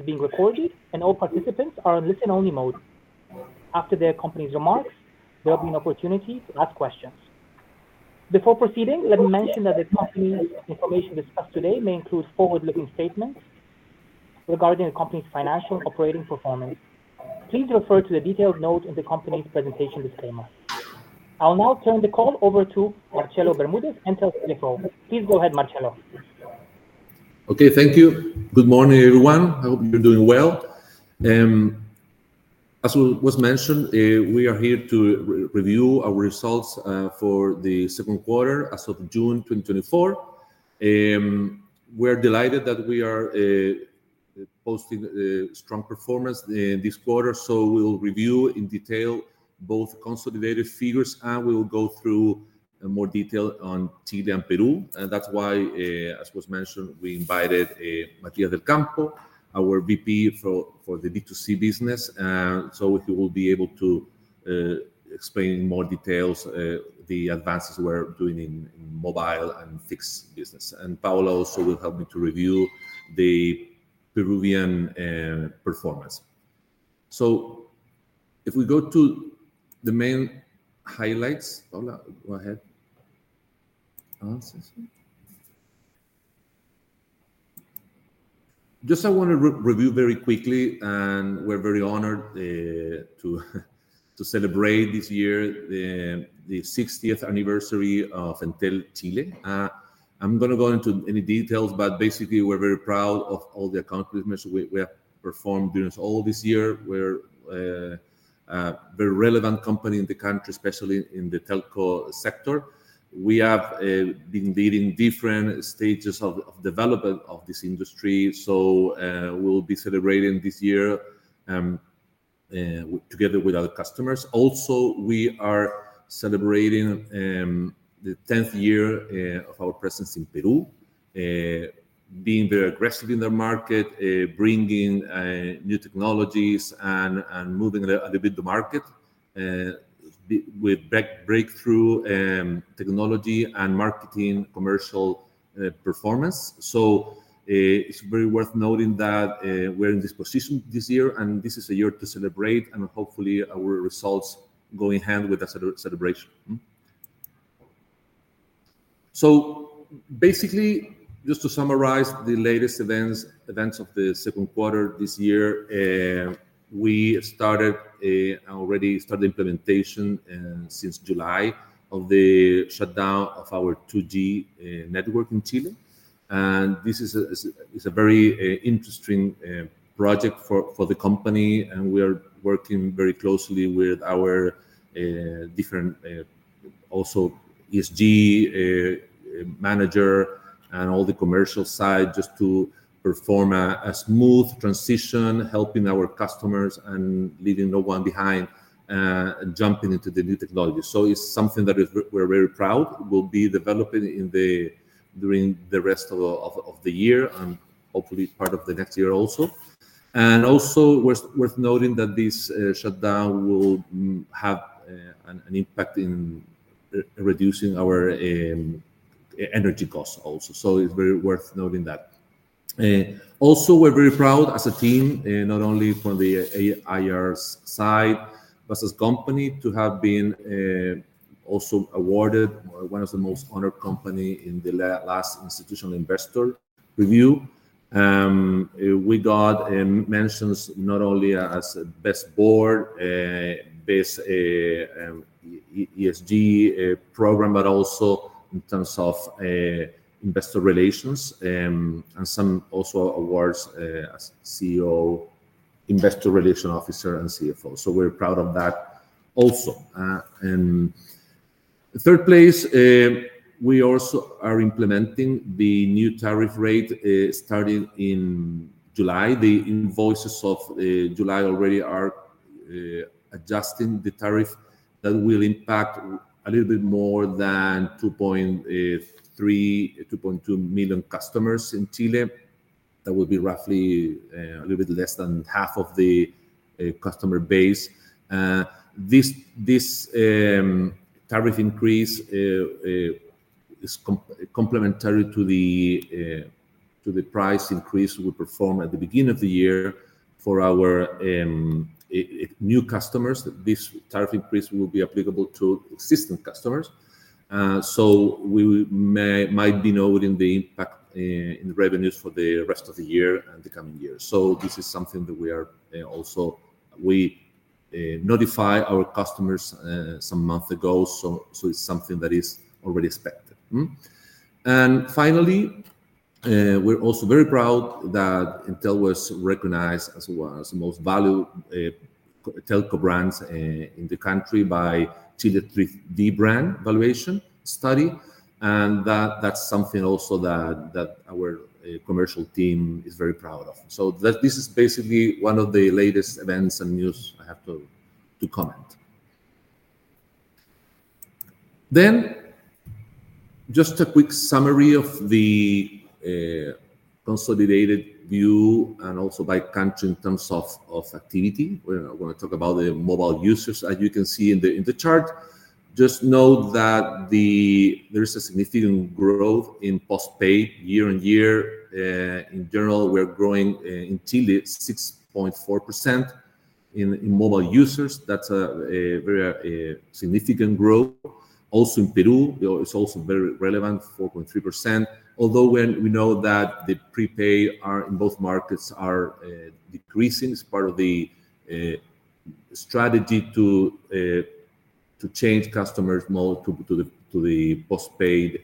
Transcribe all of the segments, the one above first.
is being recorded, and all participants are on listen-only mode. After the company's remarks, there will be an opportunity to ask questions. Before proceeding, let me mention that the company information discussed today may include forward-looking statements regarding the company's financial operating performance. Please refer to the detailed note in the company's presentation disclaimer. I'll now turn the call over to Marcelo Bermúdez, Entel CFO. Please go ahead, Marcelo. Okay, thank you. Good morning, everyone. I hope you're doing well. As was mentioned, we are here to review our results for the second quarter as of June 2024. We're delighted that we are posting a strong performance in this quarter, so we'll review in detail both consolidated figures, and we will go through in more detail on Chile and Peru. That's why, as was mentioned, we invited Matías del Campo, our VP for the B2C business, and so he will be able to explain in more details the advances we're doing in mobile and fixed business. Paula also will help me to review the Peruvian performance. So if we go to the main highlights... Paula, go ahead. Just, I want to review very quickly, and we're very honored to celebrate this year the 60th anniversary of Entel Chile. I'm not going to go into any details, but basically, we're very proud of all the accomplishments we have performed during all this year. We're a very relevant company in the country, especially in the telco sector. We have been leading different stages of development of this industry, so we'll be celebrating this year together with other customers. Also, we are celebrating the 10th year of our presence in Peru, being very aggressive in the market, bringing new technologies and moving a little bit the market with breakthrough technology and marketing commercial performance. So, it's very worth noting that we're in this position this year, and this is a year to celebrate, and hopefully, our results go in hand with the celebration. So basically, just to summarize the latest events of the second quarter this year, we already started implementation since July of the shutdown of our 2G network in Chile. And this is a very interesting project for the company, and we are working very closely with our different, also ESG, manager and all the commercial side, just to perform a smooth transition, helping our customers and leaving no one behind, jumping into the new technology. So it's something that we're very proud. We'll be developing in the... During the rest of the year and hopefully part of the next year also. And also, worth noting that this shutdown will have an impact in re-reducing our energy costs also, so it's very worth noting that. Also, we're very proud as a team, not only from the IR's side, but as a company, to have been also awarded one of the most honored company in the last institutional investor review. We got mentions not only as a Best Board, Best ESG program, but also in terms of investor relations, and some also awards, CEO, investor relations officer, and CFO. So we're proud of that also. And third place, we also are implementing the new tariff rate, starting in July. The invoices of July already are adjusting the tariff that will impact a little bit more than 2.32 million customers in Chile. That will be roughly a little bit less than half of the customer base. This tariff increase is complementary to the price increase we performed at the beginning of the year for our new customers. This tariff increase will be applicable to existing customers, so we might be noting the impact in the revenues for the rest of the year and the coming years. So this is something that we also notify our customers some month ago, so it's something that is already expected. And finally, we're also very proud that Entel was recognized as one of the most valued, telco brands, in the country by Chile3D brand valuation study, and that, that's something also that, that our, commercial team is very proud of. So that, this is basically one of the latest events and news I have to, to comment. Then, just a quick summary of the, consolidated view and also by country in terms of, of activity. We're going to talk about the mobile users, as you can see in the, in the chart. Just know that there is a significant growth in postpaid year-on-year. In general, we're growing, in Chile 6.4% in, in mobile users. That's a, a very, significant growth. Also in Peru, it's also very relevant, 4.3%. Although when we know that the prepaid are in both markets decreasing, it's part of the strategy to change customers more to the postpaid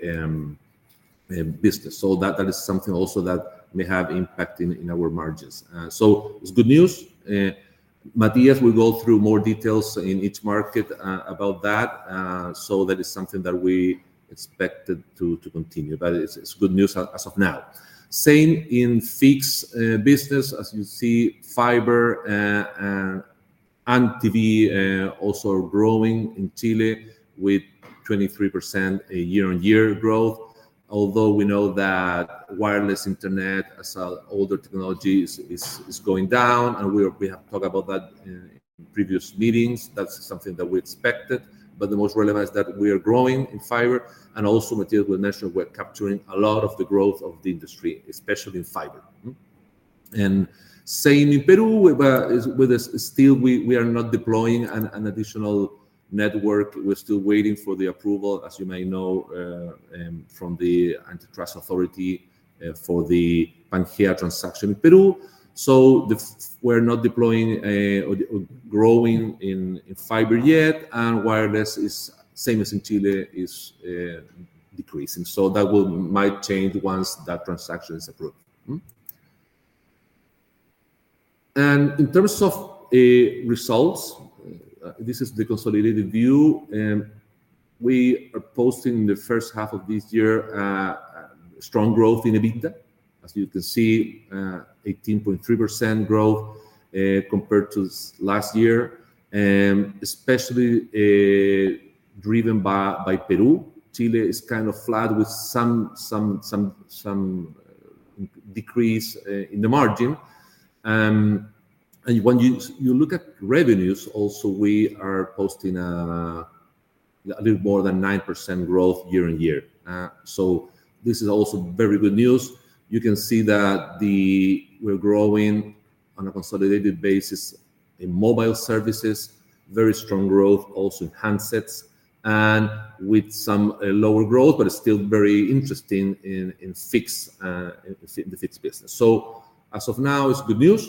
business. So that is something also that may have impact in our margins. So it's good news. Matías will go through more details in each market about that, so that is something that we expected to continue. But it's good news as of now. Same in fixed business. As you see, fiber and TV also growing in Chile with 23% year-on-year growth. Although we know that wireless internet as older technology is going down, and we have talked about that in previous meetings. That's something that we expected. But the most relevant is that we are growing in fiber, and also Matías will mention we're capturing a lot of the growth of the industry, especially in fiber. And same in Peru, where with this still, we are not deploying an additional network. We're still waiting for the approval, as you may know, from the antitrust authority, for the PangeaCo transaction in Peru. So we're not deploying or growing in fiber yet, and wireless is same as in Chile, is decreasing. So that will might change once that transaction is approved. And in terms of results, this is the consolidated view, and we are posting in the first half of this year strong growth in EBITDA. As you can see, 18.3% growth compared to last year, especially driven by Peru. Chile is kind of flat with some decrease in the margin. And when you look at revenues, also, we are posting a little more than 9% growth year-on-year. So this is also very good news. You can see that we're growing on a consolidated basis in mobile services, very strong growth also in handsets, and with some lower growth, but it's still very interesting in the fixed business. So as of now, it's good news.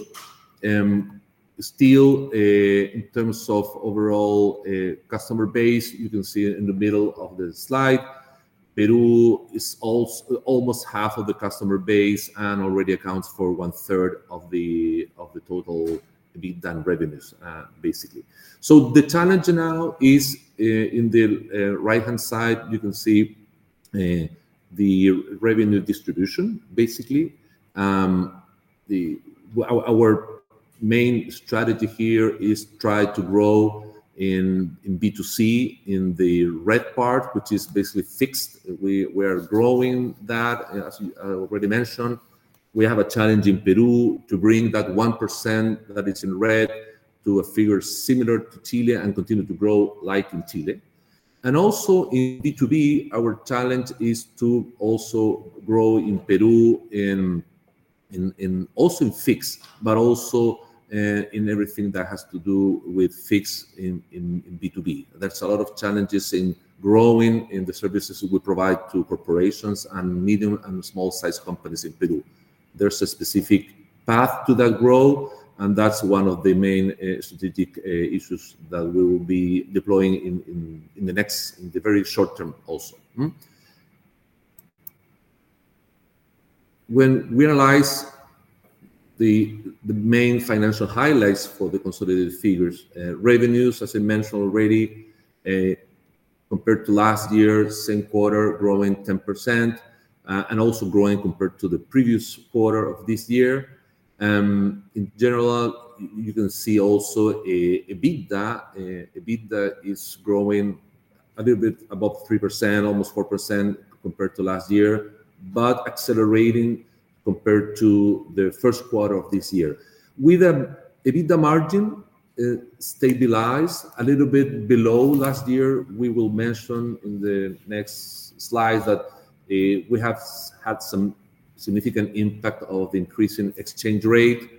Still, in terms of overall, customer base, you can see in the middle of the slide, Peru is almost half of the customer base and already accounts for one third of the, of the total EBITDA revenues, basically. So the challenge now is, in the, right-hand side, you can see, the revenue distribution, basically. The our, our main strategy here is try to grow in, in B2C, in the red part, which is basically fixed. We we are growing that, as we, already mentioned. We have a challenge in Peru to bring that 1% that is in red to a figure similar to Chile and continue to grow like in Chile. And also in B2B, our challenge is to also grow in Peru, also in fixed, but also in everything that has to do with fixed in B2B. There's a lot of challenges in growing in the services we provide to corporations and medium and small-sized companies in Peru. There's a specific path to that growth, and that's one of the main strategic issues that we will be deploying in the next, in the very short term also. When we analyze the main financial highlights for the consolidated figures, revenues, as I mentioned already, compared to last year, same quarter, growing 10%, and also growing compared to the previous quarter of this year. In general, you can see also EBITDA, EBITDA is growing a little bit above 3%, almost 4% compared to last year, but accelerating compared to the first quarter of this year. With the EBITDA margin, stabilized a little bit below last year. We will mention in the next slide that, we have had some significant impact of the increase in exchange rate,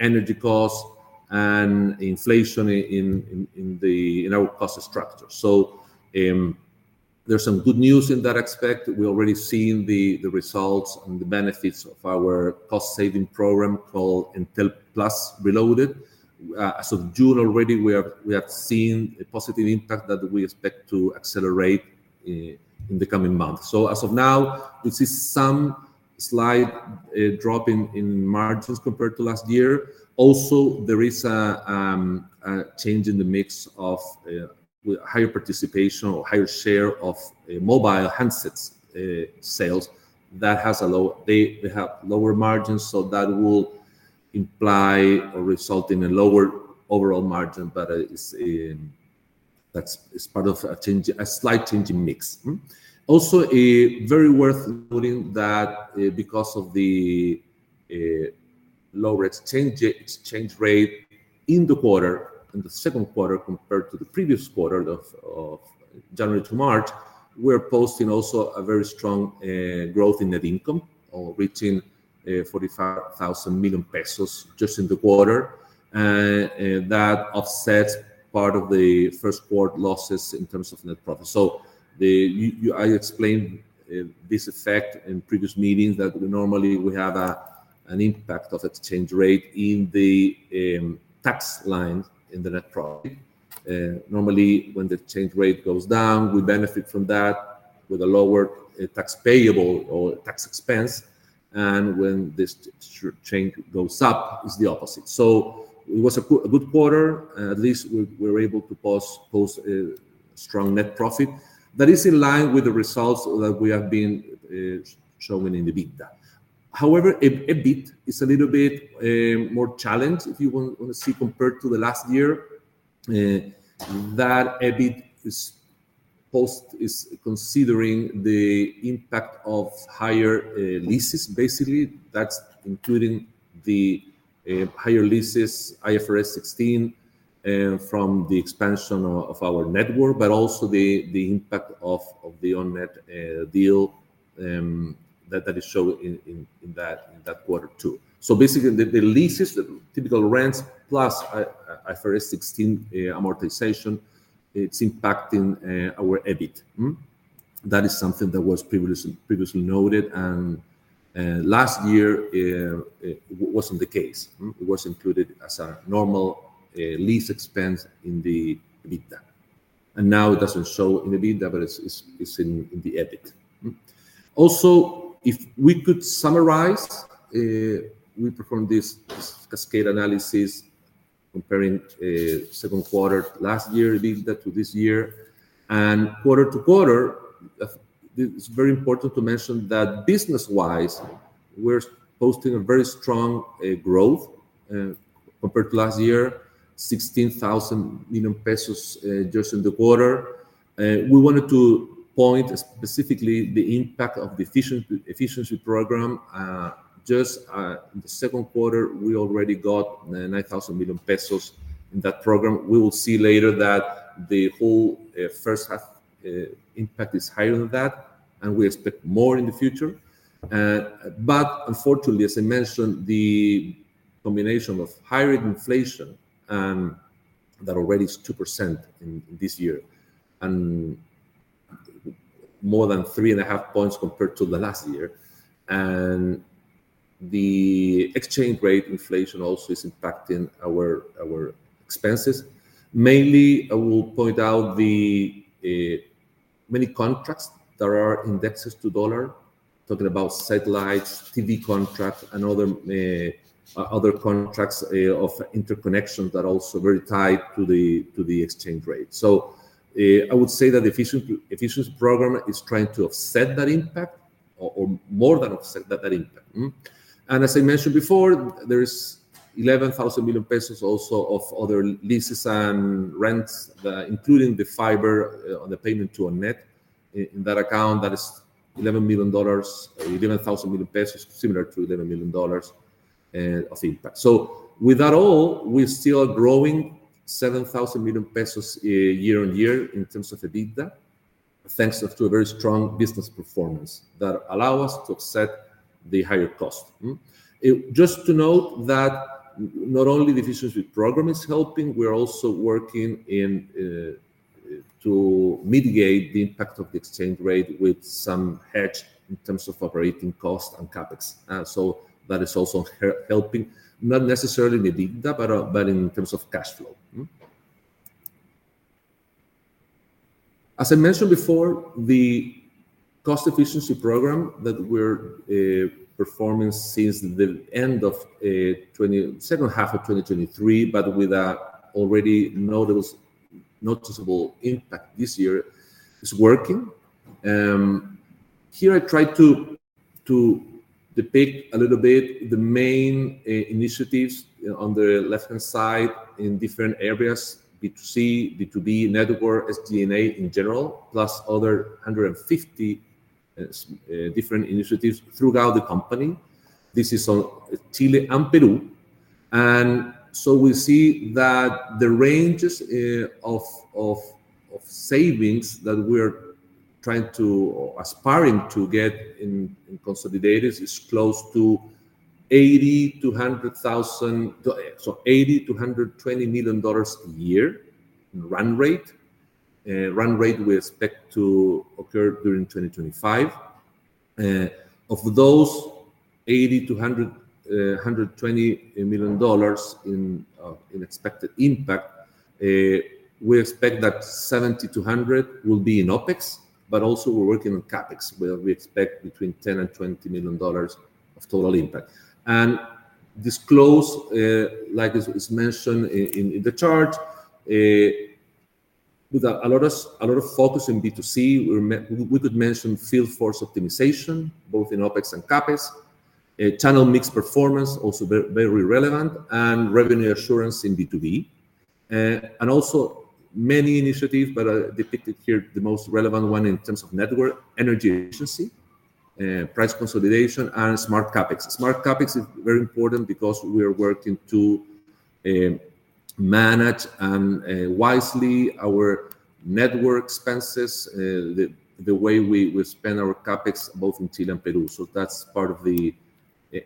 energy costs, and inflation in our cost structure. So, there's some good news in that aspect. We already seen the results and the benefits of our cost-saving program called Entel Plus Reloaded. As of June already, we have seen a positive impact that we expect to accelerate, in the coming months. So as of now, we see some slight drop in margins compared to last year. Also, there is a change in the mix of higher participation or higher share of mobile handsets sales. That has lower margins, they have lower margins, so that will imply or result in a lower overall margin, but it's part of a change, a slight change in mix. Also, very worth noting that because of the lower exchange rate in the quarter, in the second quarter compared to the previous quarter of January to March, we're posting also a very strong growth in net income of reaching 45 billion pesos just in the quarter. And that offsets part of the first quarter losses in terms of net profit. So you you... I explained this effect in previous meetings, that normally we have an impact of exchange rate in the tax line in the net profit. Normally, when the exchange rate goes down, we benefit from that with a lower tax payable or tax expense, and when this exchange goes up, it's the opposite. So it was a good quarter. At least we were able to post a strong net profit that is in line with the results that we have been showing in the EBITDA. However, EBIT is a little bit more challenged, if you want, wanna see compared to the last year. That EBIT is considering the impact of higher leases. Basically, that's including the higher leases, IFRS 16 from the expansion of our network, but also the impact of the OnNet deal that is shown in that quarter too. So basically, the leases, the typical rents plus IFRS 16 amortization, it's impacting our EBIT. That is something that was previously noted, and last year it wasn't the case. It was included as a normal lease expense in the EBITDA, and now it doesn't show in the EBITDA, but it's in the EBIT. Also, if we could summarize, we performed this cascade analysis comparing second quarter last year EBITDA to this year. Quarter to quarter, it's very important to mention that business-wise, we're posting a very strong growth compared to last year, 16 billion pesos just in the quarter. We wanted to point specifically the impact of the efficiency, efficiency program. Just in the second quarter, we already got 9 billion pesos in that program. We will see later that the whole first half impact is higher than that, and we expect more in the future. But unfortunately, as I mentioned, the combination of higher inflation, and that already is 2% in this year, and more than 3.5 points compared to the last year, and the exchange rate inflation also is impacting our expenses. Mainly, I will point out the many contracts that are indexed to dollar, talking about satellites, TV contracts, and other contracts of interconnection that are also very tied to the exchange rate. So, I would say that the efficiency program is trying to offset that impact or more than offset that impact. And as I mentioned before, there is 11 billion pesos also of other leases and rents, including the fiber on the payment to OnNet. In that account, that is $11 million... 11 billion pesos, similar to $11 million of impact. So with that all, we still are growing 7 billion pesos year-on-year in terms of EBITDA, thanks to a very strong business performance that allow us to offset the higher cost. Just to note that not only the efficiency program is helping, we are also working to mitigate the impact of the exchange rate with some hedge in terms of operating costs and CapEx. So that is also helping, not necessarily in the EBITDA, but in terms of cash flow. As I mentioned before, the cost efficiency program that we're performing since the end of second half of 2023, but with a already noticeable impact this year, is working. Here I tried to depict a little bit the main initiatives on the left-hand side in different areas, B2C, B2B, network, SG&A in general, plus other 150 different initiatives throughout the company. This is on Chile and Peru. We see that the ranges of savings that we're trying to or aspiring to get in consolidated is close to $80 million-$120 million a year in run rate. Run rate we expect to occur during 2025. Of those $80 million-$120 million in expected impact, we expect that $70 million-$100 million will be in OpEx, but also we're working on CapEx, where we expect between $10 million-$20 million of total impact. And this close like is mentioned in the chart with a lot of focus in B2C, we could mention field force optimization, both in OpEx and CapEx, channel mix performance, also very relevant, and revenue assurance in B2B. and also many initiatives, but, depicted here, the most relevant one in terms of network: energy efficiency, price consolidation, and smart CapEx. Smart CapEx is very important because we are working to manage wisely our network expenses, the way we spend our CapEx, both in Chile and Peru. So that's part of the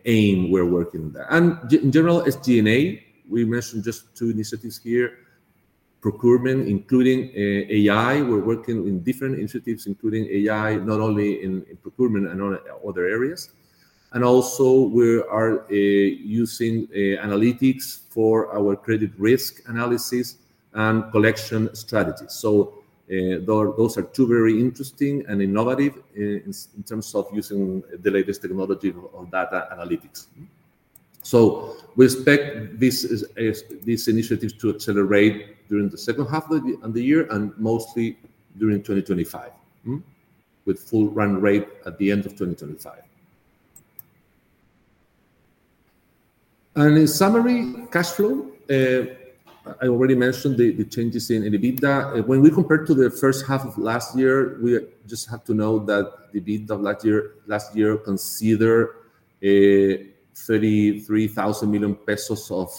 aim we're working there. And in general, SG&A, we mentioned just two initiatives here: procurement, including AI. We're working in different initiatives, including AI, not only in procurement and other areas. And also we are using analytics for our credit risk analysis and collection strategies. So, those are two very interesting and innovative in terms of using the latest technology on data analytics. So we expect these initiatives to accelerate during the second half of the year, and mostly during 2025, with full run rate at the end of 2025. In summary, cash flow, I already mentioned the changes in EBITDA. When we compare to the first half of last year, we just have to know that the EBITDA of last year considered 33 billion pesos of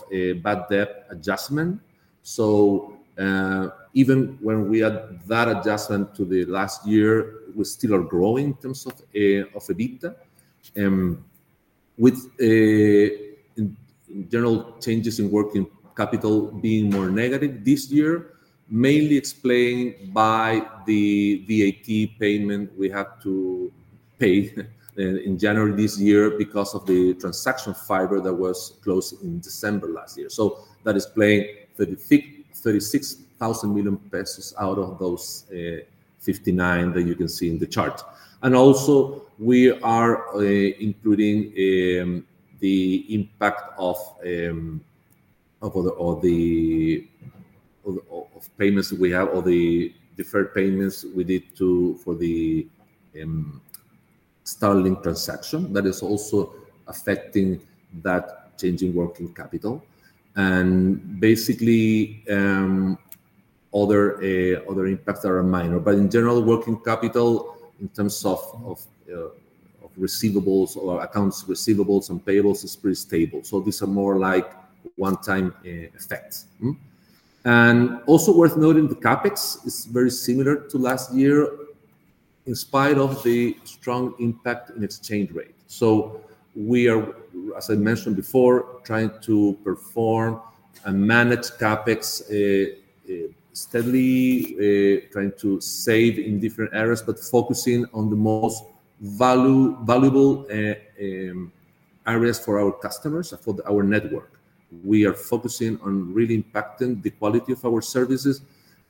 bad debt adjustment. So, even when we add that adjustment to last year, we still are growing in terms of EBITDA. With, in general, changes in working capital being more negative this year, mainly explained by the VAT payment we have to pay in January this year because of the transaction fiber that was closed in December last year. So that explained 36 billion pesos out of those 59 that you can see in the chart. And also, we are including the impact of all the payments we have, all the deferred payments we did for the Starlink transaction, that is also affecting that change in working capital. And basically, other impacts are minor. But in general, working capital, in terms of receivables or accounts receivables and payables, is pretty stable. So these are more like one-time effects. And also worth noting, the CapEx is very similar to last year, in spite of the strong impact in exchange rate. So we are, as I mentioned before, trying to perform and manage CapEx steadily, trying to save in different areas, but focusing on the most valuable areas for our customers, for our network. We are focusing on really impacting the quality of our services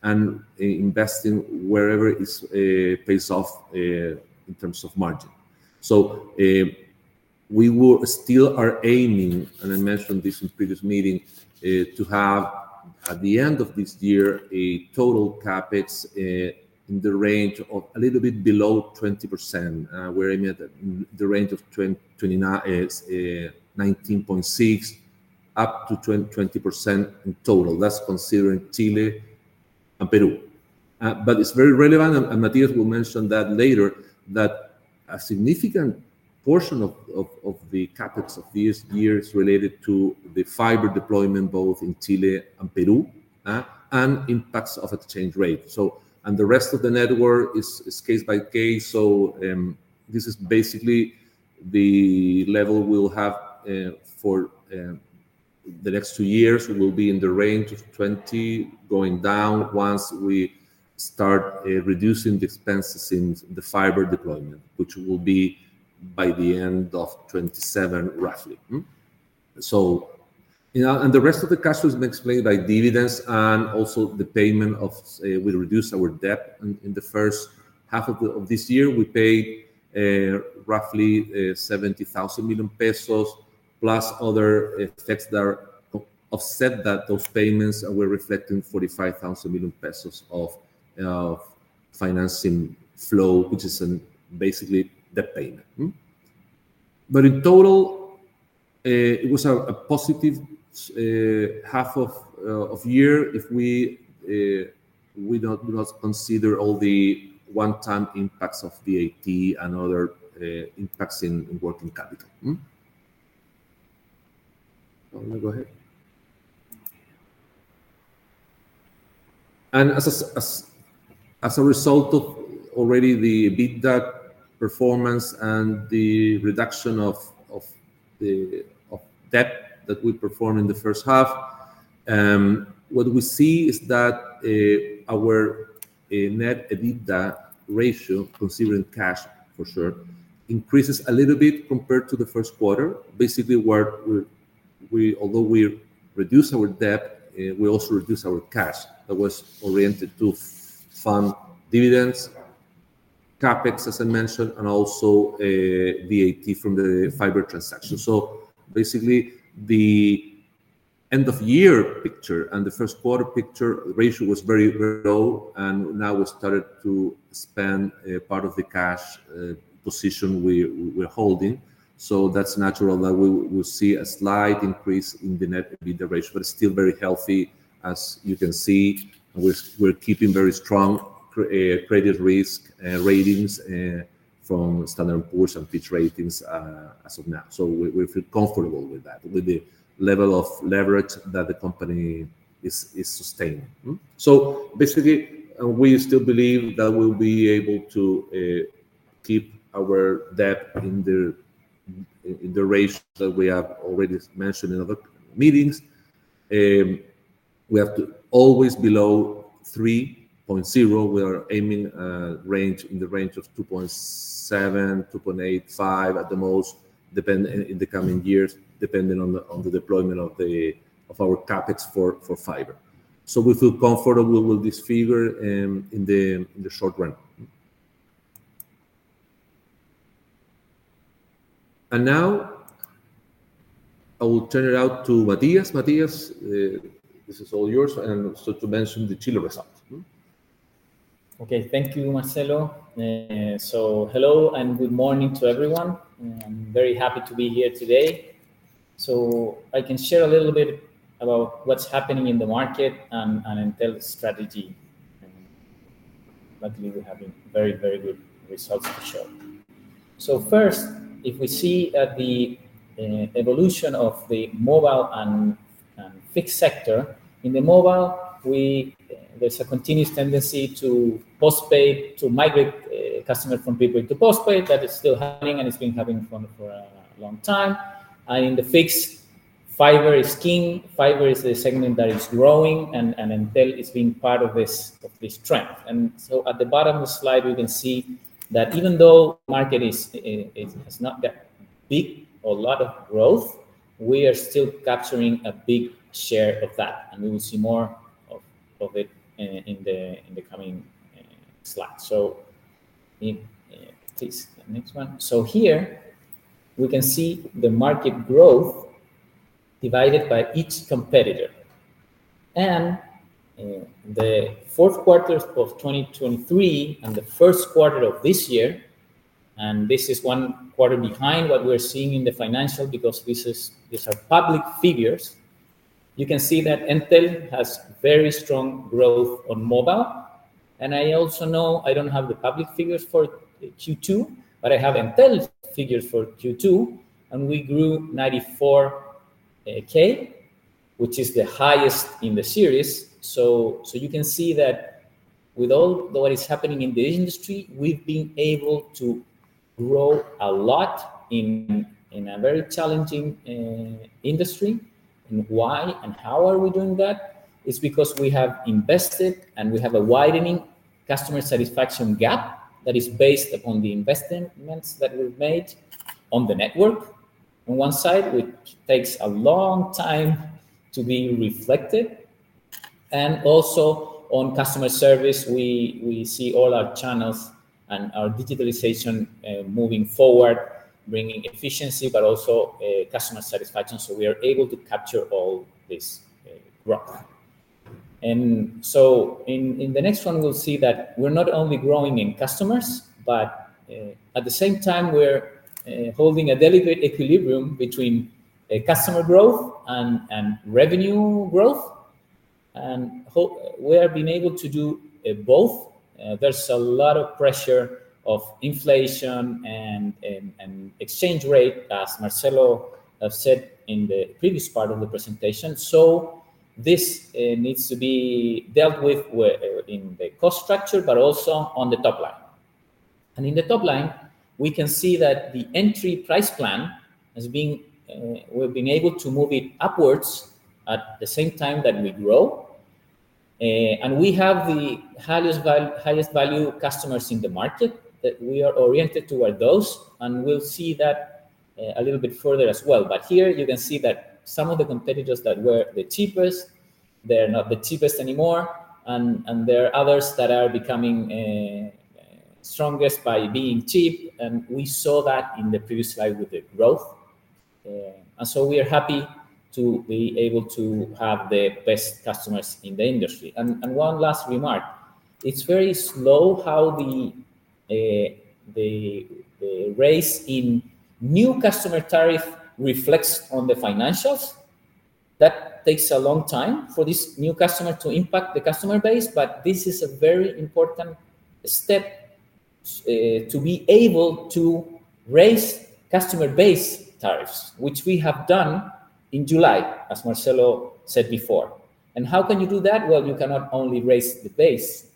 and investing wherever is pays off in terms of margin. So, we will still are aiming, and I mentioned this in previous meetings, to have, at the end of this year, a total CapEx in the range of a little bit below 20%. We're aiming at the range of 19.6%-20% in total. That's considering Chile and Peru. But it's very relevant, and Matías will mention that later, that a significant portion of the CapEx of this year is related to the fiber deployment, both in Chile and Peru, and impacts of exchange rate. And the rest of the network is case by case. This is basically the level we'll have for the next two years. We will be in the range of 20, going down once we start reducing the expenses in the fiber deployment, which will be by the end of 2027, roughly. You know, and the rest of the cash flow has been explained by dividends and also the payment of we reduced our debt in the first half of this year. We paid roughly 70 billion pesos, plus other effects that offset those payments, and we're reflecting 45 billion pesos of financing flow, which is basically debt payment. But in total, it was a positive half of year if we not consider all the one-time impacts of VAT and other impacts in working capital. Oh, go ahead. As a result of already the EBITDA performance and the reduction of the debt that we performed in the first half, what we see is that our net EBITDA ratio, considering cash for sure, increases a little bit compared to the first quarter. Basically, although we reduced our debt, we also reduced our cash that was oriented to fund dividends, CapEx, as I mentioned, and also, VAT from the fiber transaction. So basically, the end-of-year picture and the first quarter picture, the ratio was very, very low, and now we started to spend a part of the cash position we're holding. So that's natural that we'll see a slight increase in the net debt ratio, but it's still very healthy. As you can see, we're keeping very strong credit risk ratings from Standard & Poor's and Fitch Ratings, as of now. So we feel comfortable with that, with the level of leverage that the company is sustaining. So basically, we still believe that we'll be able to keep our debt in the range that we have already mentioned in other meetings. We have to always below 3.0. We are aiming in the range of 2.7, 2.85 at the most, depending in the coming years, depending on the deployment of our CapEx for fiber. So we feel comfortable with this figure in the short run. And now, I will turn it out to Matías. Matías, this is all yours, and so to mention the Chile results. Okay. Thank you, Marcelo. Hello, and good morning to everyone. I'm very happy to be here today. I can share a little bit about what's happening in the market and Entel's strategy, and luckily, we're having very, very good results to show. First, if we see at the evolution of the mobile and fixed sector, in the mobile, there's a continuous tendency to post-pay, to migrate customer from pre-pay to post-pay. That is still happening, and it's been happening for a long time. In the fixed, fiber is king. Fiber is the segment that is growing, and Entel is being part of this trend. At the bottom of the slide, we can see that even though the market is, it has not got big or a lot of growth, we are still capturing a big share of that, and we will see more of it in the coming slides. So in... please, the next one. So here, we can see the market growth divided by each competitor. And the fourth quarter of 2023 and the first quarter of this year, and this is one quarter behind what we're seeing in the financial, because this is—these are public figures. You can see that Entel has very strong growth on mobile, and I also know I don't have the public figures for Q2, but I have Entel figures for Q2, and we grew 94K, which is the highest in the series. So you can see that with all what is happening in the industry, we've been able to grow a lot in a very challenging industry. Why and how are we doing that? It's because we have invested, and we have a widening customer satisfaction gap that is based upon the investments that we've made on the network on one side, which takes a long time to be reflected, and also on customer service, we see all our channels and our digitalization moving forward, bringing efficiency, but also customer satisfaction, so we are able to capture all this growth. And so in the next one, we'll see that we're not only growing in customers, but at the same time, we're holding a delicate equilibrium between customer growth and revenue growth, and how we have been able to do both. There's a lot of pressure of inflation and exchange rate, as Marcelo has said in the previous part of the presentation. So this needs to be dealt with in the cost structure, but also on the top line. And in the top line, we can see that the entry price plan has been, we've been able to move it upwards at the same time that we grow, and we have the highest value customers in the market, that we are oriented toward those, and we'll see that a little bit further as well. But here you can see that some of the competitors that were the cheapest, they're not the cheapest anymore, and, and there are others that are becoming strongest by being cheap, and we saw that in the previous slide with the growth. And so we are happy to be able to have the best customers in the industry. And one last remark: it's very slow how the raise in new customer tariff reflects on the financials. That takes a long time for this new customer to impact the customer base, but this is a very important step to be able to raise customer base tariffs, which we have done in July, as Marcelo said before. How can you do that? Well, you cannot only raise the base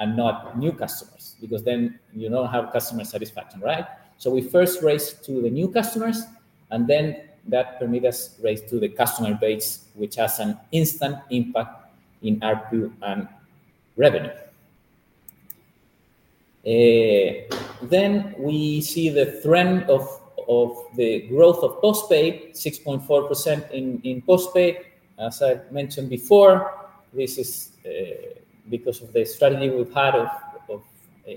and not new customers, because then you don't have customer satisfaction, right? So we first raise to the new customers, and then that permit us raise to the customer base, which has an instant impact in ARPU and revenue. Then we see the trend of the growth of post-pay, 6.4% in post-pay. As I mentioned before, this is because of the strategy we've had of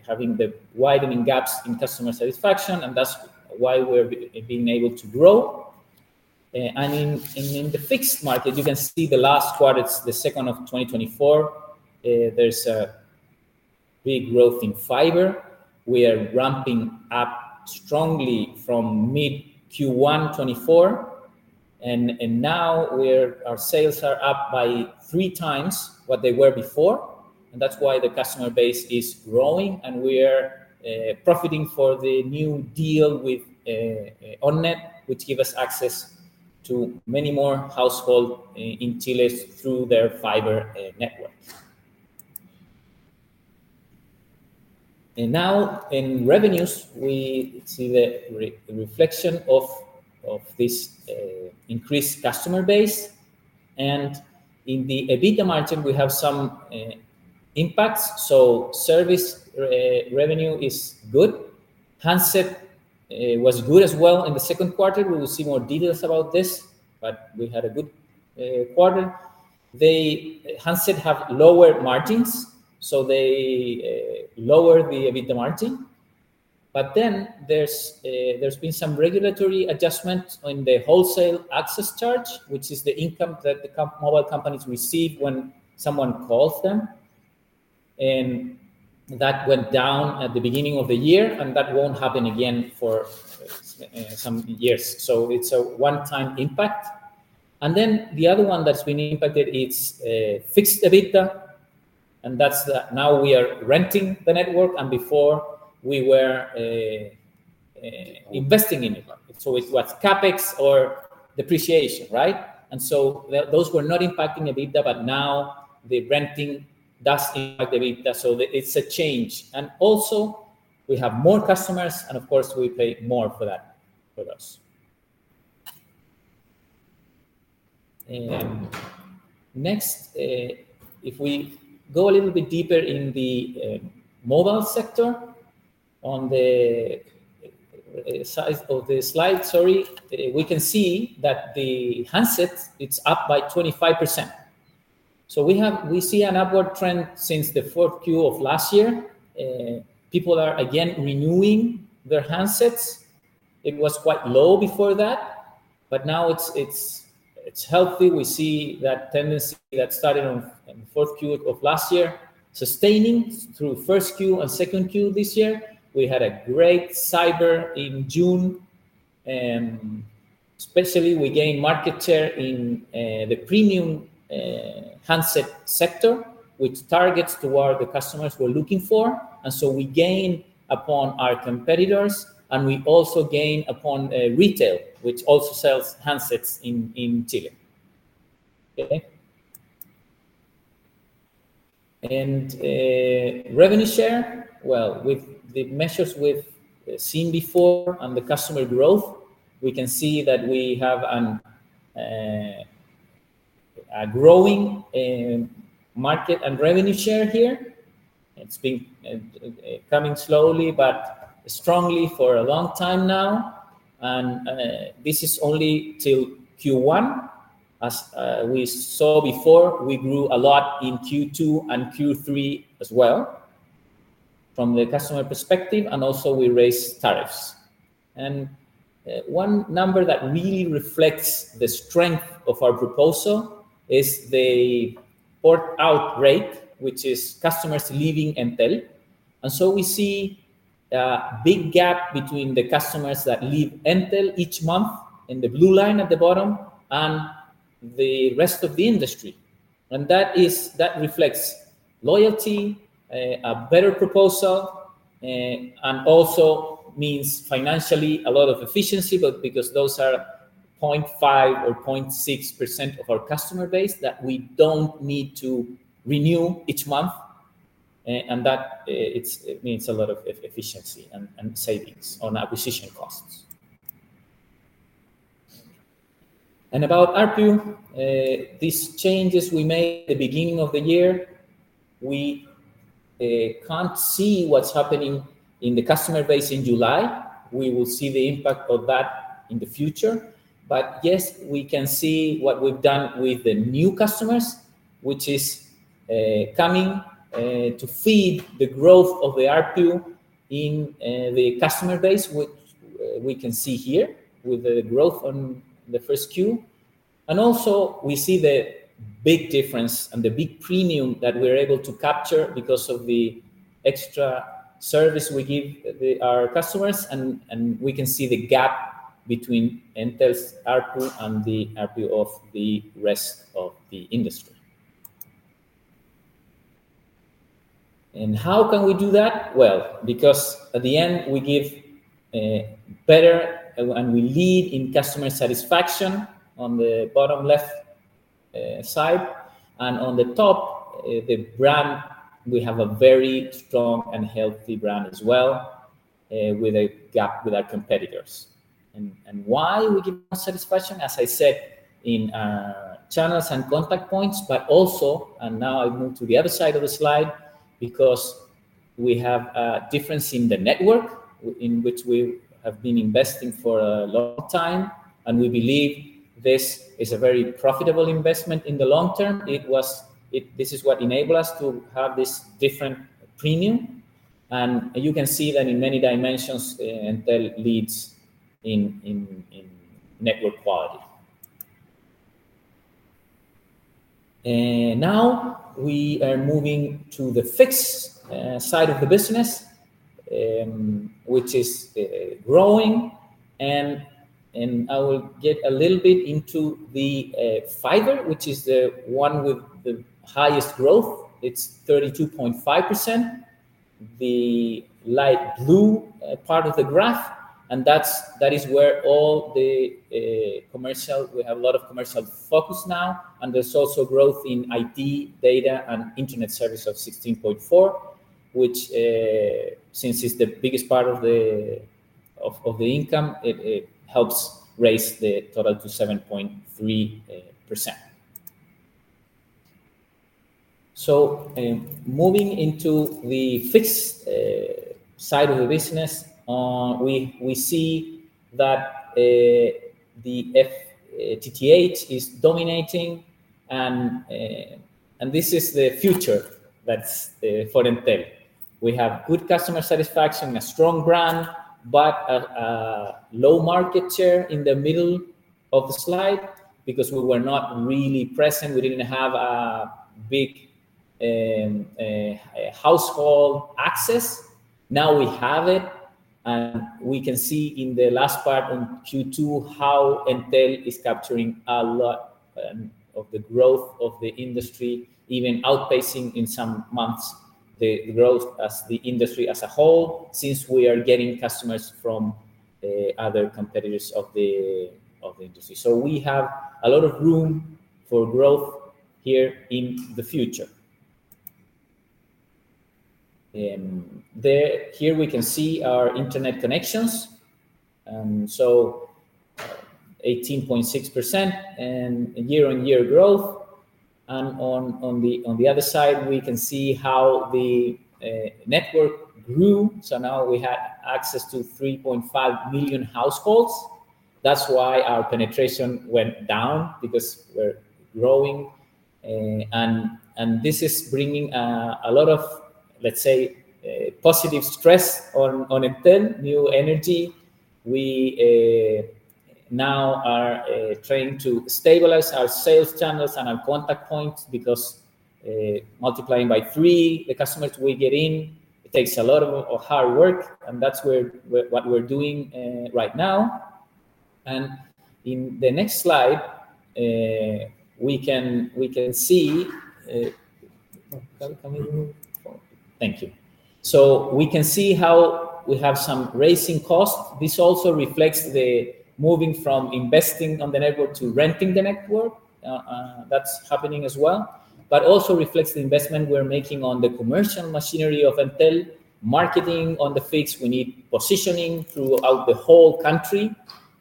having the widening gaps in customer satisfaction, and that's why we're being able to grow. And in the fixed market, you can see the last quarter, it's the second of 2024, there's big growth in fiber. We are ramping up strongly from mid-Q1 2024, and now we're, our sales are up by three times what they were before, and that's why the customer base is growing, and we're profiting for the new deal with OnNet, which give us access to many more household in Chile through their fiber network. And now in revenues, we see the reflection of this increased customer base, and in the EBITDA margin, we have some impacts, so service revenue is good. Handset was good as well in the second quarter. We will see more details about this, but we had a good quarter. The handsets have lower margins, so they lower the EBITDA margin. But then there's, there's been some regulatory adjustment on the wholesale access charge, which is the income that the mobile companies receive when someone calls them, and that went down at the beginning of the year, and that won't happen again for some years. So it's a one-time impact. And then the other one that's been impacted is fixed EBITDA, and that's the... Now we are renting the network, and before we were investing in it, so it was CapEx or depreciation, right? And so those were not impacting EBITDA, but now the renting does impact EBITDA, so it, it's a change. And also, we have more customers, and of course, we pay more for that with us. Next, if we go a little bit deeper in the mobile sector, on the size of the slide, sorry, we can see that the handsets, it's up by 25%. So we have—we see an upward trend since the fourth Q of last year. People are again renewing their handsets. It was quite low before that, but now it's healthy. We see that tendency that started in the fourth Q of last year, sustaining through first Q and second Q this year. We had a great cyber in June, and especially we gained market share in the premium handset sector, which targets toward the customers we're looking for, and so we gain upon our competitors, and we also gain upon retail, which also sells handsets in Chile. Okay. And, revenue share, well, with the measures we've seen before and the customer growth, we can see that we have a growing market and revenue share here. It's been coming slowly but strongly for a long time now, and this is only till Q1. As we saw before, we grew a lot in Q2 and Q3 as well from the customer perspective, and also we raised tariffs. And one number that really reflects the strength of our proposal is the port out rate, which is customers leaving Entel. And so we see a big gap between the customers that leave Entel each month, in the blue line at the bottom, and the rest of the industry. And that is, that reflects loyalty, a better proposal, and also means financially a lot of efficiency, but because those are 0.5% or 0.6% of our customer base that we don't need to renew each month, and that, it's, it means a lot of efficiency and savings on acquisition costs. And about ARPU, these changes we made at the beginning of the year, we can't see what's happening in the customer base in July. We will see the impact of that in the future. But yes, we can see what we've done with the new customers, which is coming to feed the growth of the ARPU in the customer base, which we can see here with the growth on the first Q. Also, we see the big difference and the big premium that we're able to capture because of the extra service we give to our customers, and we can see the gap between Entel's ARPU and the ARPU of the rest of the industry. How can we do that? Well, because at the end, we give a better, and we lead in customer satisfaction on the bottom left side, and on the top the brand, we have a very strong and healthy brand as well, with a gap with our competitors. And why we give customer satisfaction? As I said, in channels and contact points, but also, and now I move to the other side of the slide, because we have a difference in the network, in which we have been investing for a long time, and we believe this is a very profitable investment in the long term. It was, it- this is what enable us to have this different premium, and you can see that in many dimensions, Entel leads in network quality.... And now we are moving to the fixed side of the business, which is growing, and I will get a little bit into the fiber, which is the one with the highest growth. It's 32.5%, the light blue part of the graph, and that's, that is where all the commercial, we have a lot of commercial focus now, and there's also growth in IT, data, and internet service of 16.4, which, since it's the biggest part of the income, it helps raise the total to 7.3%. So, moving into the fixed side of the business, we see that the FTTH is dominating, and this is the future that's for Entel. We have good customer satisfaction, a strong brand, but a low market share in the middle of the slide because we were not really present. We didn't have a big household access. Now we have it, and we can see in the last part on Q2 how Entel is capturing a lot of the growth of the industry, even outpacing in some months the growth as the industry as a whole, since we are getting customers from other competitors of the industry. So we have a lot of room for growth here in the future. There here we can see our internet connections, so 18.6% year-on-year growth, and on the other side, we can see how the network grew. So now we have access to 3.5 million households. That's why our penetration went down, because we're growing and this is bringing a lot of, let's say, positive stress on Entel, new energy. We now are trying to stabilize our sales channels and our contact points because multiplying by three the customers we get in, it takes a lot of hard work, and that's what we're doing right now. And in the next slide, we can see... Can we move forward? Thank you. So we can see how we have some rising costs. This also reflects the moving from investing on the network to renting the network. That's happening as well, but also reflects the investment we're making on the commercial machinery of Entel, marketing on the fixed. We need positioning throughout the whole country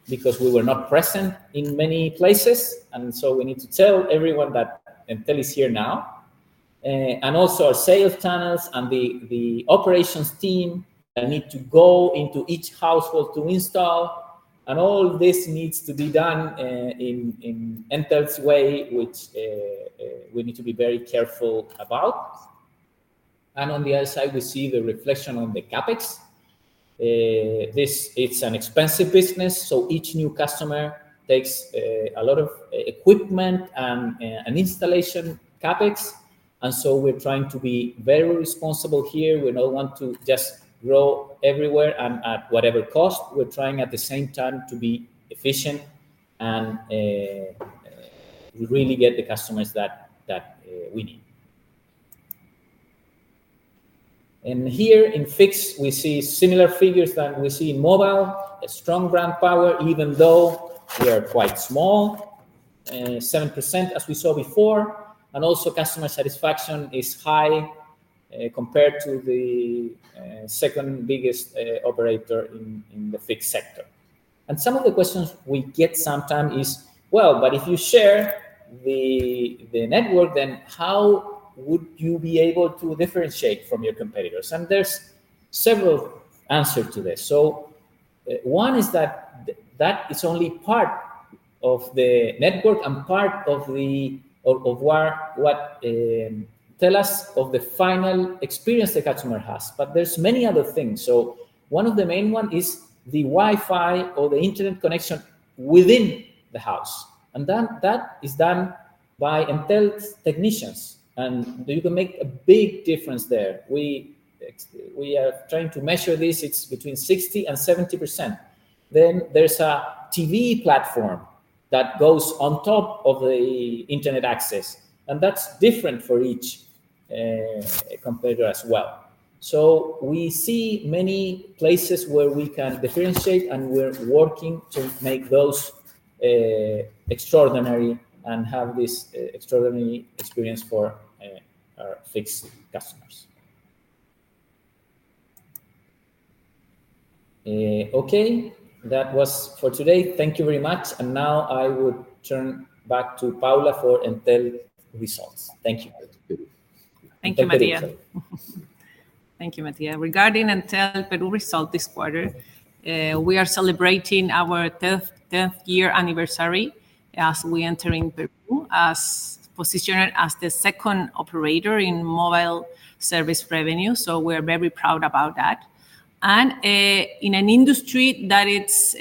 because we were not present in many places, and so we need to tell everyone that Entel is here now. And also our sales channels and the Operations team that need to go into each household to install, and all this needs to be done in Entel's way, which we need to be very careful about. And on the other side, we see the reflection on the CapEx. This, it's an expensive business, so each new customer takes a lot of equipment and an installation CapEx, and so we're trying to be very responsible here. We don't want to just grow everywhere and at whatever cost. We're trying at the same time to be efficient and really get the customers that we need. Here in fixed, we see similar figures that we see in mobile, a strong brand power, even though we are quite small, 7%, as we saw before, and also customer satisfaction is high, compared to the second biggest operator in the fixed sector. Some of the questions we get sometime is: "Well, but if you share the network, then how would you be able to differentiate from your competitors?" There's several answer to this. So, one is that is only part of the network and part of the of where what tell us of the final experience the customer has, but there's many other things. So one of the main one is the Wi-Fi or the internet connection within the house, and then that is done by Entel's technicians, and you can make a big difference there. We are trying to measure this, it's between 60% and 70%. Then there's a TV platform that goes on top of the internet access, and that's different for each competitor as well. So we see many places where we can differentiate, and we're working to make those extraordinary and have this extraordinary experience for our fixed customers. Okay, that was for today. Thank you very much, and now I would turn back to Paula for Entel results. Thank you. Thank you, Matías. Thank you, Matías. Regarding Entel Peru results this quarter, we are celebrating our 10th-year anniversary as we entered in Peru as positioned as the second operator in mobile service revenue, so we're very proud about that. In an industry that it's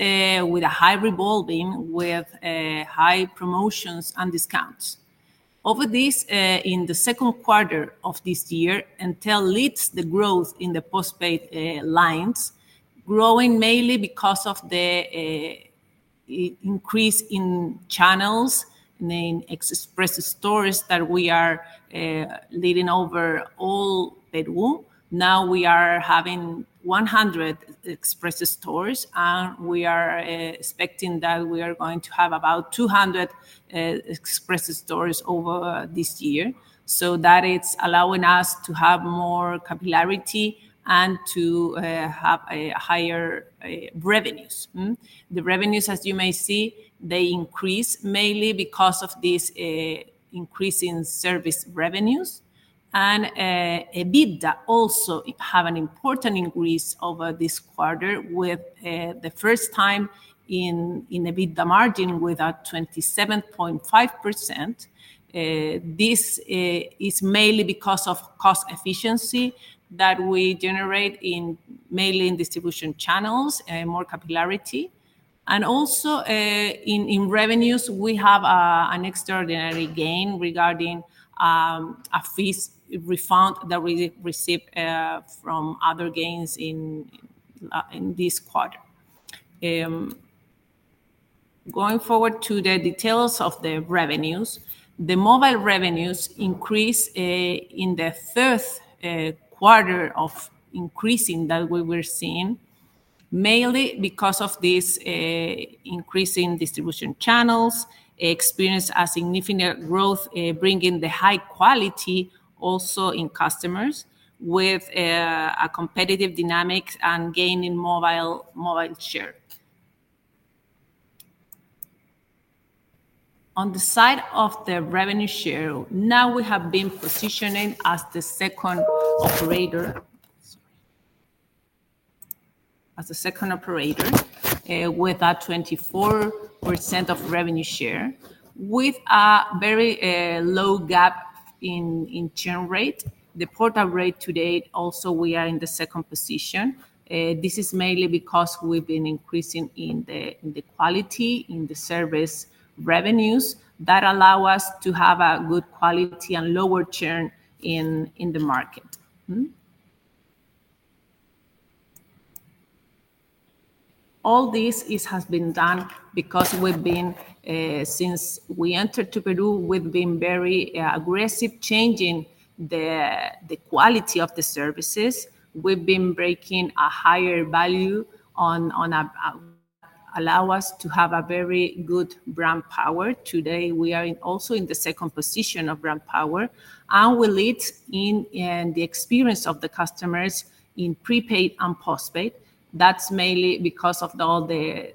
with a high revolving, with high promotions and discounts. In the second quarter of this year, Entel leads the growth in the postpaid lines, growing mainly because of the increase in channels, in Express stores that we are leading over all Peru. Now we are having 100 Express stores, and we are expecting that we are going to have about 200 Express stores over this year. So that it's allowing us to have more capillarity and to have a higher revenues. Mm. The revenues, as you may see, they increase mainly because of this increase in service revenues, and EBITDA also have an important increase over this quarter with the first time in EBITDA margin with a 27.5%. This is mainly because of cost efficiency that we generate mainly in distribution channels and more capillarity. And also, in revenues, we have an extraordinary gain regarding a fees refund that we received from other gains in this quarter. Going forward to the details of the revenues. The mobile revenues increase in the third quarter of increasing that we were seeing, mainly because of this increase in distribution channels, experienced a significant growth, bringing the high quality also in customers with a competitive dynamics and gaining mobile share. On the side of the revenue share, now we have been positioning as the second operator, sorry. As a second operator, with a 24% of revenue share, with a very low gap in churn rate. The port-out rate to date, also we are in the second position. This is mainly because we've been increasing in the quality, in the service revenues that allow us to have a good quality and lower churn in the market. All this has been done because we've been, since we entered to Peru, we've been very aggressive, changing the quality of the services. We've been breaking a higher value on a allow us to have a very good brand power. Today, we are also in the second position of brand power, and we lead in the experience of the customers in prepaid and postpaid. That's mainly because of all the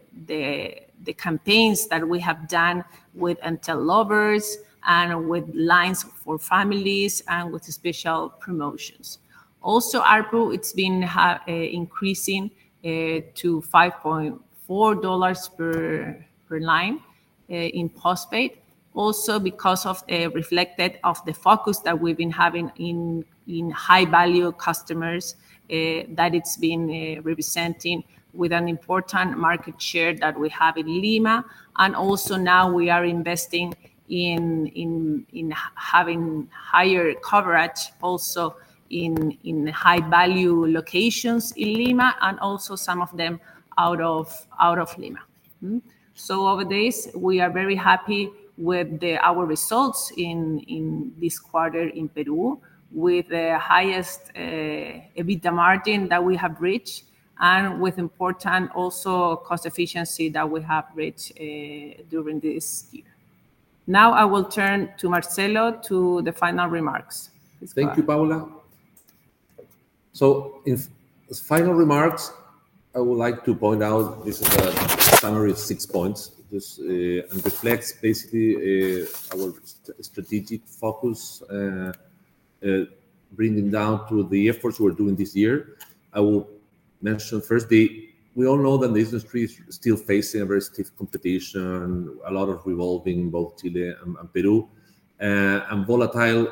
campaigns that we have done with Entel Lovers and with lines for families and with special promotions. Also, ARPU, it's been increasing to $5.4 per line in postpaid. Also, because of reflected of the focus that we've been having in high-value customers, that it's been representing with an important market share that we have in Lima. Also now we are investing in having higher coverage also in high-value locations in Lima and also some of them out of Lima. So over this, we are very happy with the, our results in, in this quarter in Peru, with the highest, EBITDA margin that we have reached and with important also, cost efficiency that we have reached, during this year. Now, I will turn to Marcelo to the final remarks. Please, go ahead. Thank you, Paula. So in final remarks, I would like to point out this is a summary of six points. This and reflects basically our strategic focus, bringing down to the efforts we're doing this year. I will mention firstly, we all know that the industry is still facing a very stiff competition, a lot of revolving both Chile and Peru, and volatile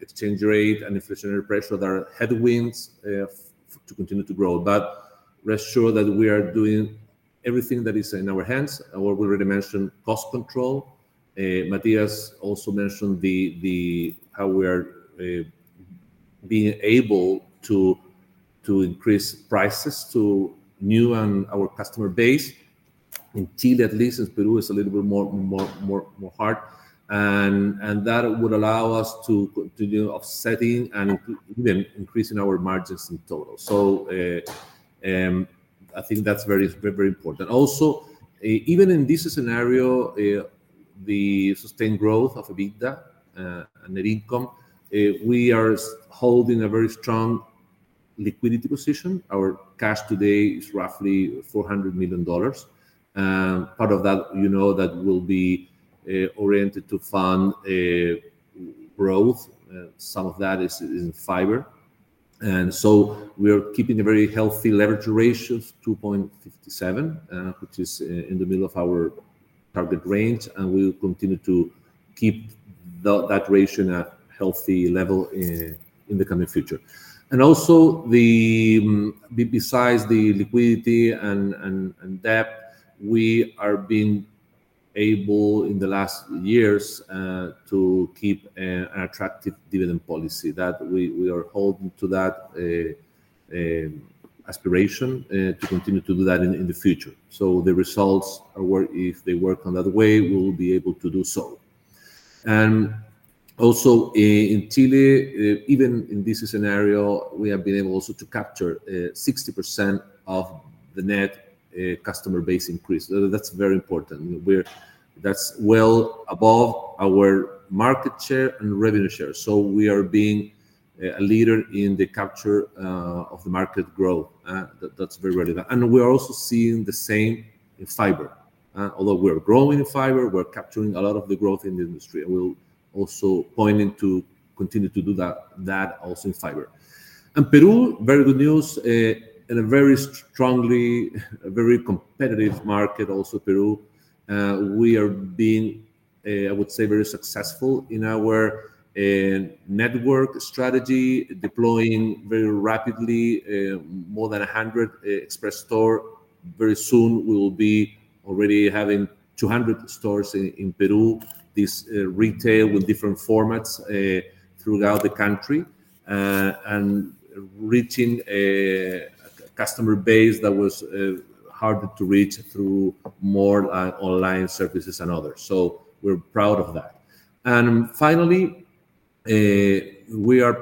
exchange rate and inflationary pressure that are headwinds to continue to grow. But rest assured that we are doing everything that is in our hands, and we already mentioned cost control. Matías also mentioned the how we are being able to increase prices to new and our customer base. In Chile, at least, as Peru is a little bit more hard, and that would allow us to continue offsetting and then increasing our margins in total. So, I think that's very, very important. Also, even in this scenario, the sustained growth of EBITDA, net income, we are holding a very strong liquidity position. Our cash today is roughly $400 million, and part of that, you know, that will be oriented to fund growth, some of that is in fiber. And so we are keeping a very healthy leverage ratio of 2.57, which is in the middle of our target range, and we will continue to keep that ratio in a healthy level in the coming future. And also, the... Besides the liquidity and debt, we are being able in the last years to keep an attractive dividend policy, that we are holding to that aspiration to continue to do that in the future. So the results, if they work on that way, we will be able to do so. And also, in Chile, even in this scenario, we have been able also to capture 60% of the net customer base increase. That's very important. That's well above our market share and revenue share, so we are being a leader in the capture of the market growth. That, that's very, very nice. And we are also seeing the same in fiber. Although we're growing in fiber, we're capturing a lot of the growth in the industry, and we'll also pointing to continue to do that, that also in fiber. In Peru, very good news, in a very strongly, very competitive market also Peru. We are being, I would say, very successful in our network strategy, deploying very rapidly, more than 100 Express stores. Very soon, we will be already having 200 stores in Peru, this retail with different formats throughout the country, and reaching a customer base that was hard to reach through more online services and others. So we're proud of that. And finally, we are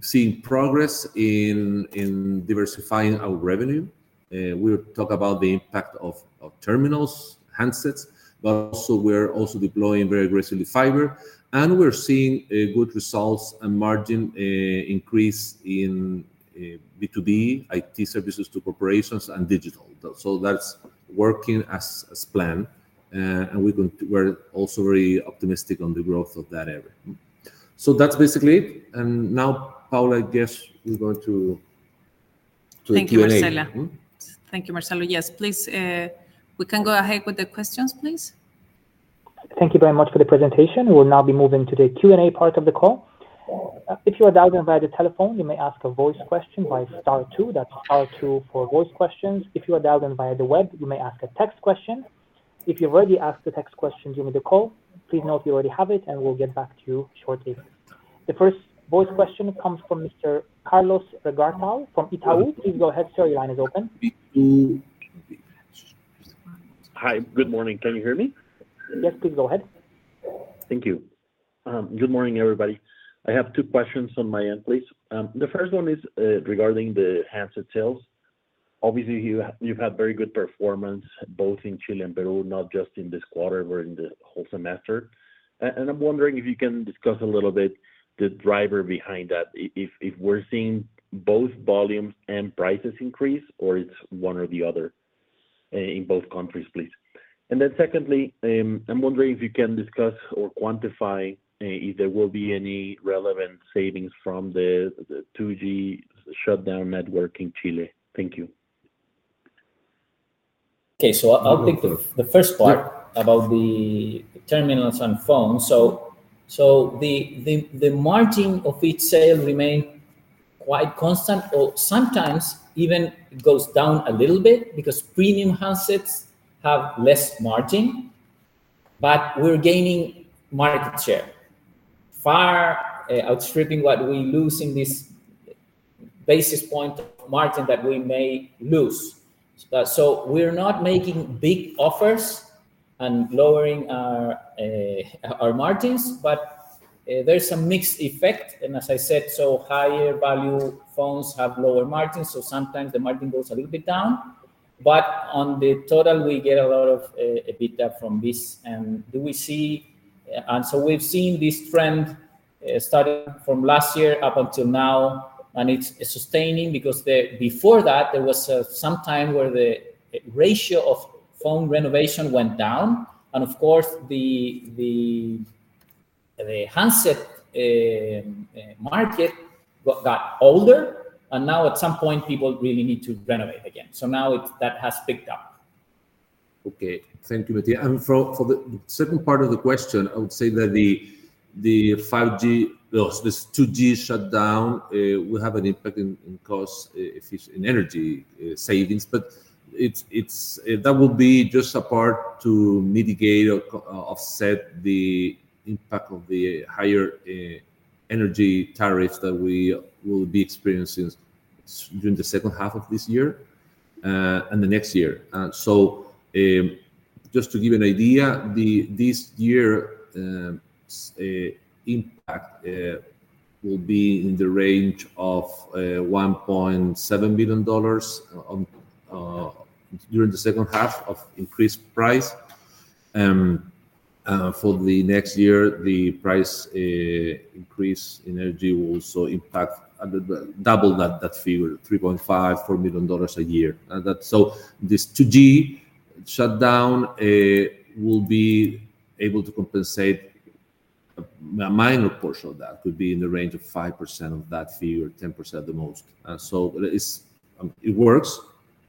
seeing progress in diversifying our revenue. We'll talk about the impact of terminals, handsets, but also we're deploying very aggressively fiber, and we're seeing good results and margin increase in B2B, IT services to corporations and digital. So that's working as planned, and we're going to—we're also very optimistic on the growth of that area. So that's basically it. And now, Paula, I guess we're going to do Q&A. Thank you, Marcelo. Thank you, Marcelo. Yes, please, we can go ahead with the questions, please. Thank you very much for the presentation. We'll now be moving to the Q&A part of the call. If you are dialed in via the telephone, you may ask a voice question by star two. That's star two for voice questions. If you are dialed in via the web, you may ask a text question. If you've already asked a text question during the call, please note you already have it, and we'll get back to you shortly. The first voice question comes from Mr. Carlos Legarreta from Itaú. Please go ahead, sir. Your line is open. Hi, good morning. Can you hear me? Yes, please go ahead. Thank you. Good morning, everybody. I have two questions on my end, please. The first one is, regarding the handset sales. Obviously, you have, you've had very good performance both in Chile and Peru, not just in this quarter, but in the whole semester. And I'm wondering if you can discuss a little bit the driver behind that, if, if we're seeing both volumes and prices increase, or it's one or the other, in both countries, please. And then secondly, I'm wondering if you can discuss or quantify, if there will be any relevant savings from the 2G shutdown network in Chile. Thank you. Okay. So I'll take the first part- Yeah... about the terminals and phones. So the margin of each sale remain quite constant or sometimes even goes down a little bit because premium handsets have less margin, but we're gaining market share, far outstripping what we lose in this basis point margin that we may lose. So we're not making big offers and lowering our margins, but there is a mixed effect. And as I said, so higher value phones have lower margins, so sometimes the margin goes a little bit down. But on the total, we get a lot of EBITDA from this. And do we see... And so we've seen this trend starting from last year up until now, and it's sustaining because, before that, there was some time where the ratio of phone renovation went down, and of course, the handset market got older, and now at some point, people really need to renovate again. So now it—that has picked up. Okay. Thank you, Matías. And for the second part of the question, I would say that the 5G, well, this 2G shutdown will have an impact in cost efficiency in energy savings, but it's. That would be just a part to mitigate or offset the impact of the higher energy tariffs that we will be experiencing during the second half of this year and the next year. So, just to give you an idea, the impact this year will be in the range of $1.7 billion on during the second half of increased price. For the next year, the price increase in energy will also impact at the double that figure, $3.54 million a year. And that... So this 2G shutdown will be able to compensate a minor portion of that, could be in the range of 5% of that figure, or 10% at the most. So it's it works,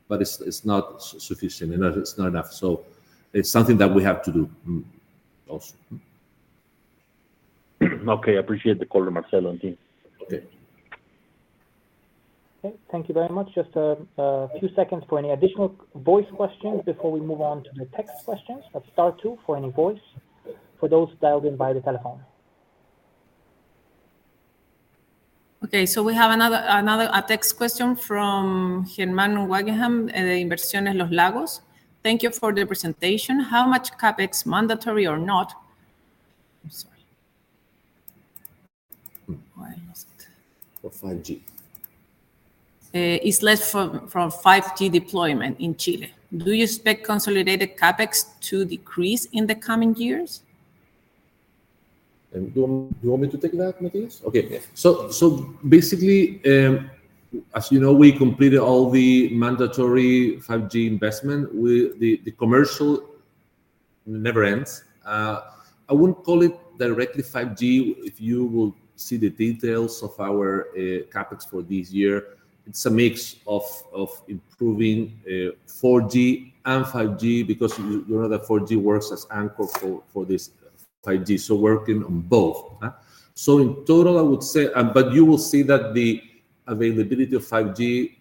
but it's it's not sufficient enough, it's not enough. So it's something that we have to do, also. Okay, I appreciate the call, Marcelo and team. Okay.... Okay, thank you very much. Just a few seconds for any additional voice questions before we move on to the text questions. So star two for any voice, for those dialed in by the telephone. Okay, so we have another, a text question from Germán Wagemann, Inversiones Los Lagos: "Thank you for the presentation. How much CapEx, mandatory or not..." I'm sorry. Oh, I lost it. For 5G. What is left for 5G deployment in Chile? Do you expect consolidated CapEx to decrease in the coming years? Do you want me to take that, Matías? Okay. So basically, as you know, we completed all the mandatory 5G investment. With the commercial, it never ends. I wouldn't call it directly 5G. If you will see the details of our CapEx for this year, it's a mix of improving 4G and 5G, because you know that 4G works as anchor for this 5G, so working on both, huh? So in total, I would say. But you will see that the availability of 5G,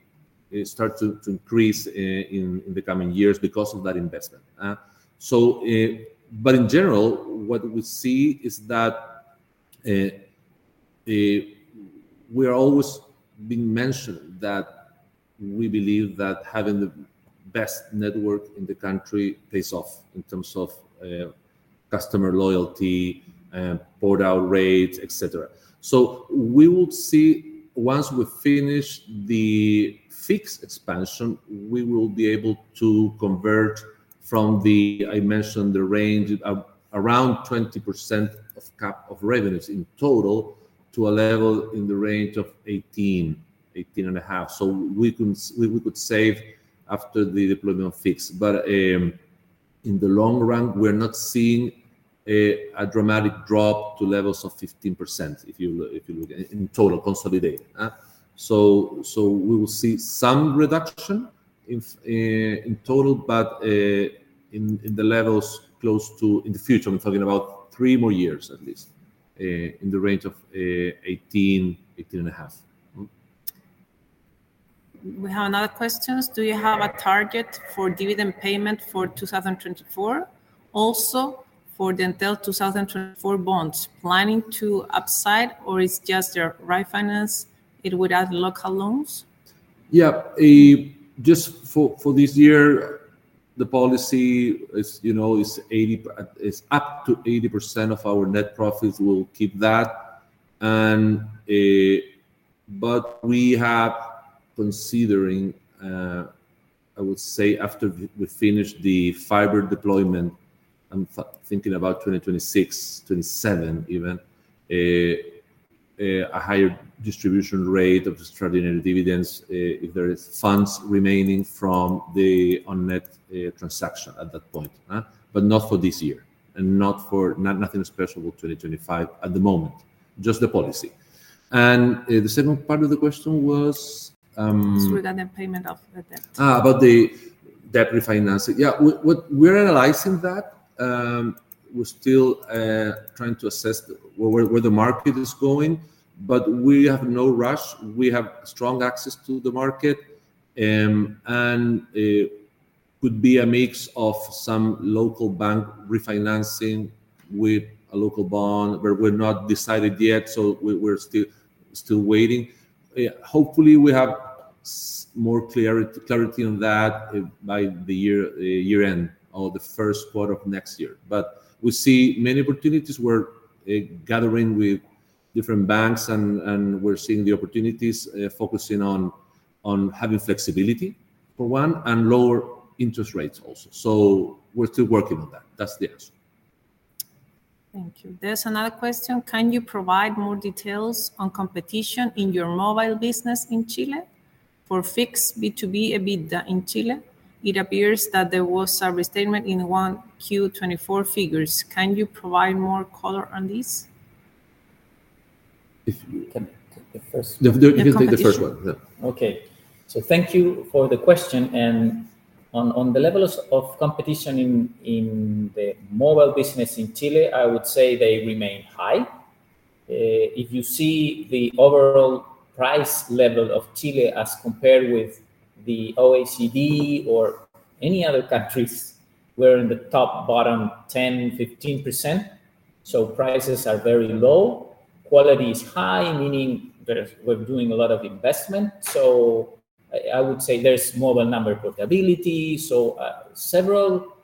it starts to increase in the coming years because of that investment. But in general, what we see is that, we're always been mentioning that we believe that having the best network in the country pays off in terms of customer loyalty, port-out rates, et cetera. So we will see once we finish the fixed expansion, we will be able to convert from the... I mentioned the range of around 20% of CapEx of revenues in total to a level in the range of 18%-18.5%. So we could save after the deployment of fixed. But in the long run, we're not seeing a dramatic drop to levels of 15%, if you look at it in total, consolidated, huh? So we will see some reduction in total, but in the levels close to... In the future, I'm talking about three more years at least, in the range of 18-18.5. Mm-hmm. We have another question: "Do you have a target for dividend payment for 2024? Also, for the Entel 2024 bonds, planning to upsize, or it's just a refinance it with other local loans? Yeah. Just for this year, the policy is, you know, up to 80% of our net profits, we'll keep that. And, but we have considering, I would say after we finish the fiber deployment, I'm thinking about 2026, 2027 even, a higher distribution rate of extraordinary dividends, if there are funds remaining from the OnNet transaction at that point, huh? But not for this year, and not for... Nothing special with 2025 at the moment, just the policy. And, the second part of the question was, It's regarding payment of the debt. Ah, about the debt refinancing. Yeah, we're analyzing that. We're still trying to assess where the market is going, but we have no rush. We have strong access to the market, and could be a mix of some local bank refinancing with a local bond, but we're not decided yet, so we're still waiting. Hopefully, we have more clarity on that by the year-end or the first quarter of next year. But we see many opportunities. We're gathering with different banks and we're seeing the opportunities, focusing on having flexibility, for one, and lower interest rates also. So we're still working on that. That's the answer. Thank you. There's another question: "Can you provide more details on competition in your mobile business in Chile? For fixed B2B EBITDA in Chile, it appears that there was a restatement in 1Q 2024 figures. Can you provide more color on this? If you can- The first- You can take the first one. Yeah. Okay. So thank you for the question. On the levels of competition in the mobile business in Chile, I would say they remain high. If you see the overall price level of Chile as compared with the OECD or any other countries, we're in the top bottom 10%, 15%, so prices are very low. Quality is high, meaning there's we're doing a lot of investment. So I would say there's mobile number portability, so several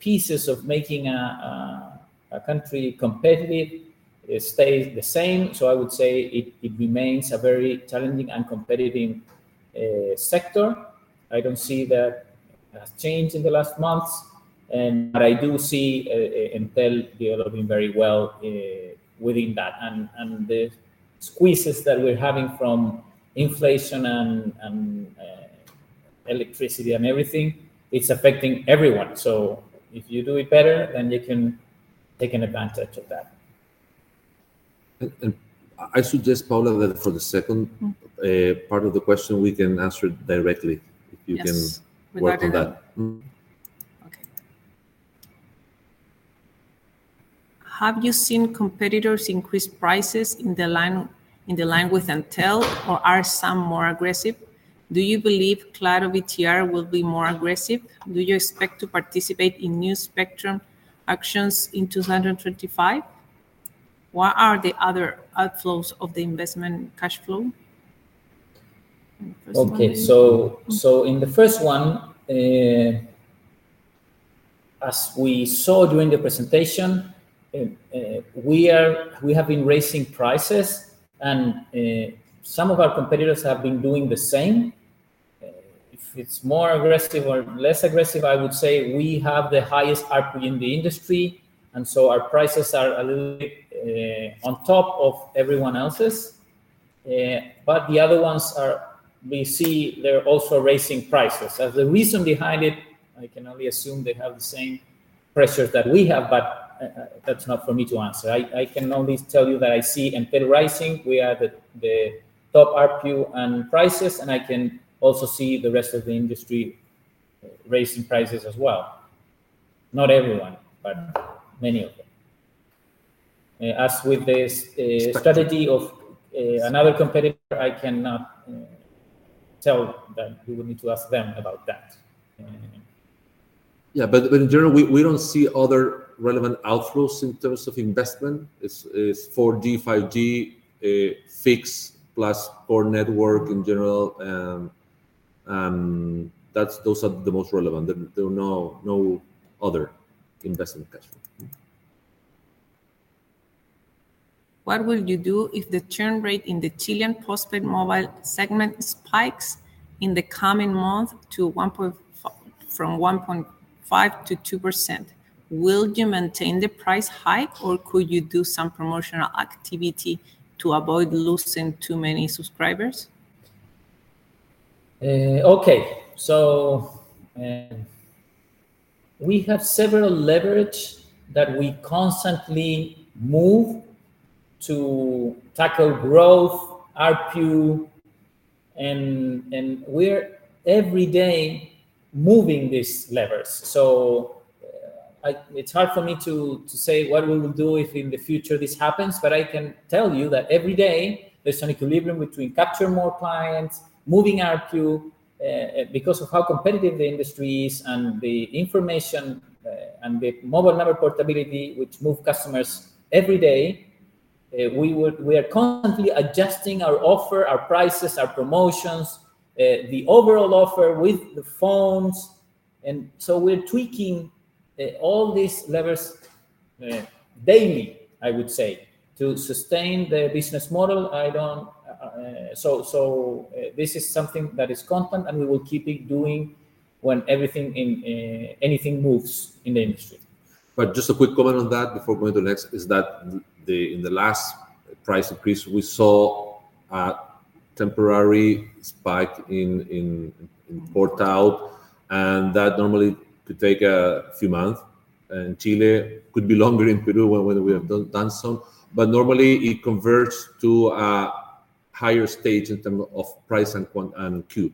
pieces of making a country competitive stays the same. So I would say it remains a very challenging and competitive sector. I don't see that has changed in the last months, and but I do see Entel developing very well within that. The squeezes that we're having from inflation and electricity and everything. It's affecting everyone. If you do it better, then you can take an advantage of that. I suggest, Paula, that for the second- Mm-hmm... part of the question, we can answer it directly- Yes... if you can work on that. Mm-hmm.... Have you seen competitors increase prices in the line, in the line with Entel, or are some more aggressive? Do you believe ClaroVTR will be more aggressive? Do you expect to participate in new spectrum auctions in 2025? What are the other outflows of the investment cash flow? Okay, so in the first one, as we saw during the presentation, we have been raising prices, and some of our competitors have been doing the same. If it's more aggressive or less aggressive, I would say we have the highest ARPU in the industry, and so our prices are a little bit on top of everyone else's. But the other ones are... We see they're also raising prices. As the reason behind it, I can only assume they have the same pressures that we have, but that's not for me to answer. I can only tell you that I see Entel rising. We are the top ARPU on prices, and I can also see the rest of the industry raising prices as well. Not everyone, but many of them. As with the strategy of another competitor, I cannot tell that. You would need to ask them about that. Yeah, but in general, we don't see other relevant outflows in terms of investment. It's 4G, 5G, fixed plus core network in general, that's, those are the most relevant. There are no other investment cash flow. What will you do if the churn rate in the Chilean postpaid mobile segment spikes in the coming month to 1%... from 1.5% to 2%? Will you maintain the price hike, or could you do some promotional activity to avoid losing too many subscribers? Okay, so, we have several leverage that we constantly move to tackle growth, ARPU, and, and we're every day moving these levers. So, it's hard for me to say what we will do if in the future this happens, but I can tell you that every day there's an equilibrium between capturing more clients, moving ARPU, because of how competitive the industry is and the information, and the mobile number portability, which move customers every day, we are constantly adjusting our offer, our prices, our promotions, the overall offer with the phones, and so we're tweaking all these levers daily, I would say, to sustain the business model. I don't... So, this is something that is constant, and we will keep it doing when everything in, anything moves in the industry. But just a quick comment on that before going to the next, is that in the last price increase, we saw a temporary spike in port out, and that normally could take a few months, and Chile could be longer in Peru when we have done some, but normally it converts to a higher stage in terms of price and quantity and cube.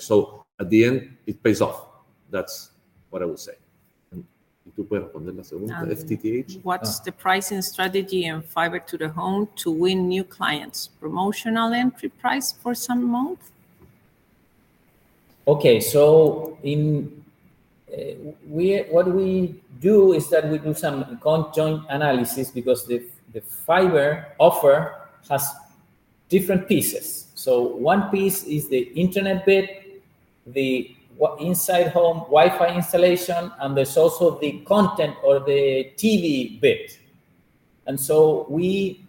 So at the end, it pays off. That's what I would say. What's the pricing strategy in fiber to the home to win new clients? Promotional entry price for some months? Okay. So, in what we do is that we do some conjoint analysis because the fiber offer has different pieces. So one piece is the internet bit, the inside home Wi-Fi installation, and there's also the content or the TV bit. And so we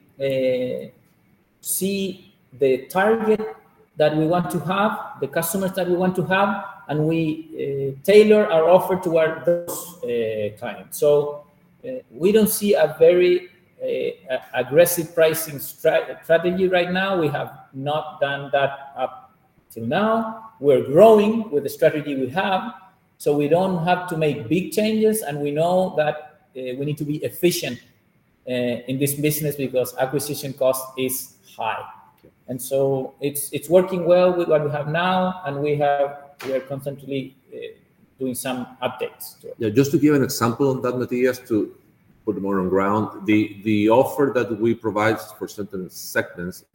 see the target that we want to have, the customers that we want to have, and we tailor our offer toward those clients. So we don't see a very aggressive pricing strategy right now. We have not done that up to now. We're growing with the strategy we have, so we don't have to make big changes, and we know that we need to be efficient in this business because acquisition cost is high. Yeah. And so it's working well with what we have now, and we are constantly doing some updates to it. Yeah, just to give an example on that, Matías, to put more on ground, the offer that we provide for certain segments,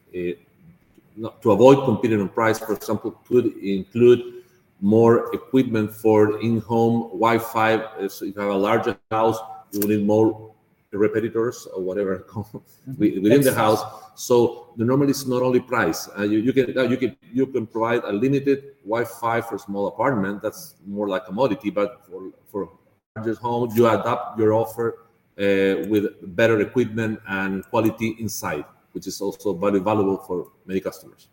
not... To avoid competing on price, for example, could include more equipment for in-home Wi-Fi. So if you have a larger house, you will need more repeaters or whatever comes- access... within the house. So normally, it's not only price. You can provide a limited Wi-Fi for a small apartment. That's more like a commodity, but for larger homes, you adapt your offer with better equipment and quality inside, which is also very valuable for many customers.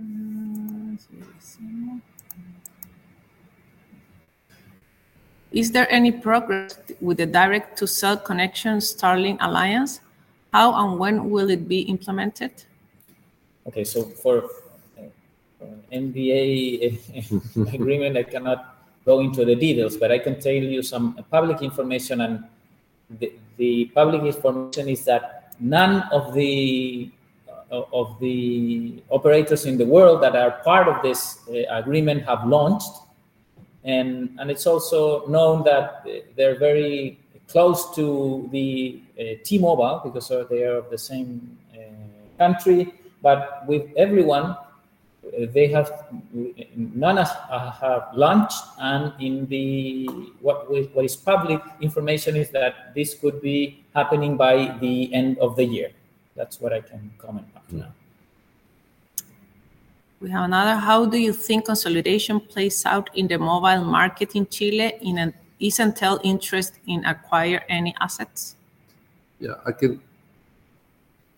Mm-hmm. Is there any progress with the direct-to-cell connection Starlink alliance? How and when will it be implemented? Okay, so for an NDA agreement, I cannot go into the details, but I can tell you some public information, and the public information is that none of the operators in the world that are part of this agreement have launched. And it's also known that they're very close to the T-Mobile, because they are of the same country, but with everyone, they have, none has have launched, and what is public information is that this could be happening by the end of the year. That's what I can comment on now. We have another: How do you think consolidation plays out in the mobile market in Chile, and is Entel interested in acquiring any assets? Yeah, I can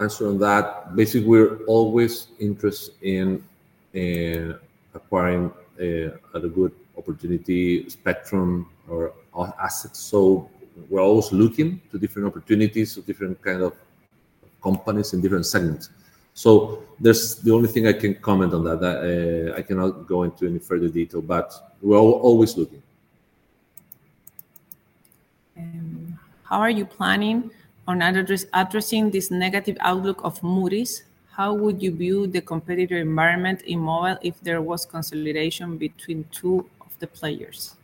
answer on that. Basically, we're always interested in acquiring a, at a good opportunity spectrum or, or assets. So we're always looking to different opportunities, to different kind of companies in different segments. So that's the only thing I can comment on that. I cannot go into any further detail, but we're always looking. How are you planning on addressing this negative outlook of Moody's? How would you view the competitive environment in mobile if there was consolidation between two of the players?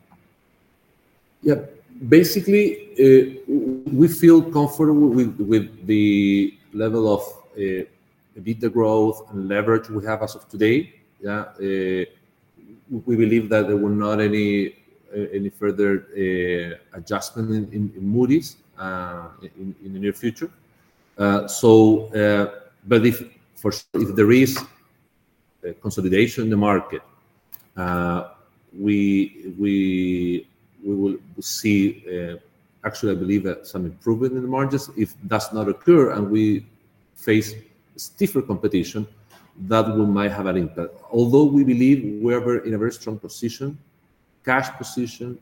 Yeah. Basically, we feel comfortable with the level of EBITDA growth and leverage we have as of today. Yeah, we believe that there were not any further adjustment in Moody's in the near future. But if, for sure, if there is consolidation in the market, we will see, actually, I believe that some improvement in the margins. If does not occur and we face stiffer competition, that will might have an impact. Although we believe we're in a very strong position, cash position,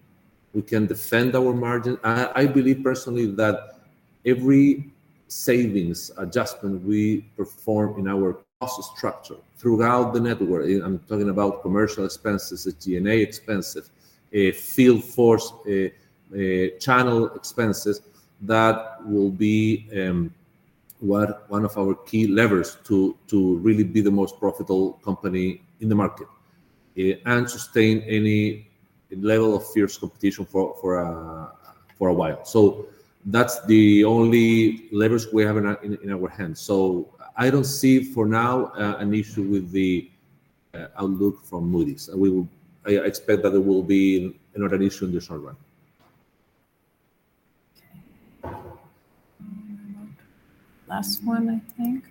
we can defend our margin. I believe personally that every savings adjustment we perform in our cost structure throughout the network, I'm talking about commercial expenses, the SG&A expenses, field force, channel expenses, that will be one of our key levers to really be the most profitable company in the market, and sustain any level of fierce competition for a while. So that's the only leverage we have in our hands. So I don't see for now an issue with the outlook from Moody's. We will—I expect that there will be not an issue in the short run. Okay. Last one, I think.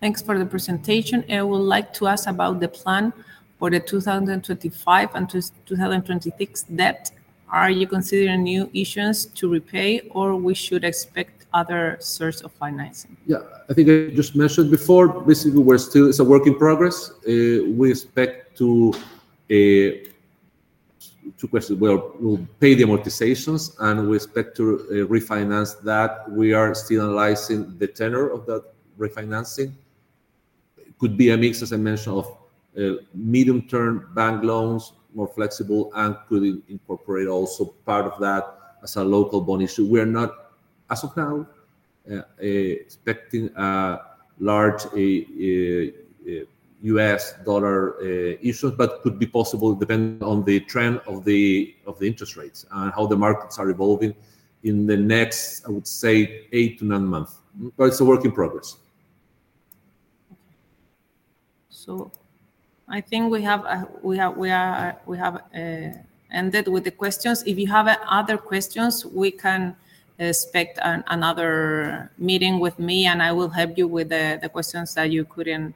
Thanks for the presentation. I would like to ask about the plan for the 2025 and 2026 debt. Are you considering new issuance to repay, or we should expect other source of financing? Yeah. I think I just mentioned before, basically, we're still... It's a work in progress. We expect to two questions: Well, we'll pay the amortizations, and we expect to refinance that. We are still analyzing the tenor of that refinancing. It could be a mix, as I mentioned, of medium-term bank loans, more flexible, and could incorporate also part of that as a local bond issue. We are not, as of now, expecting a large U.S. dollar issuance, but could be possible depending on the trend of the interest rates and how the markets are evolving in the next, I would say, 8-9 months. But it's a work in progress. Okay. So I think we have ended with the questions. If you have other questions, we can expect another meeting with me, and I will help you with the questions that you couldn't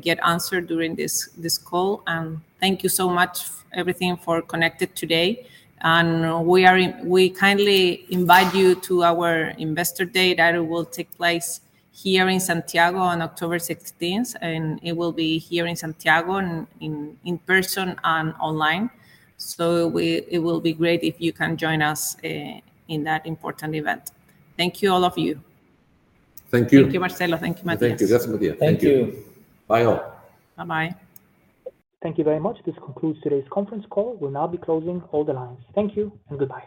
get answered during this call. And thank you so much for everything for connecting today. And we kindly invite you to our Investor Day that will take place here in Santiago on October 16th, and it will be here in Santiago, in person and online. So it will be great if you can join us in that important event. Thank you, all of you. Thank you. Thank you, Marcelo. Thank you, Matías. Thank you. Thanks, Matías. Thank you. Thank you. Bye, all. Bye-bye. Thank you very much. This concludes today's conference call. We'll now be closing all the lines. Thank you and goodbye.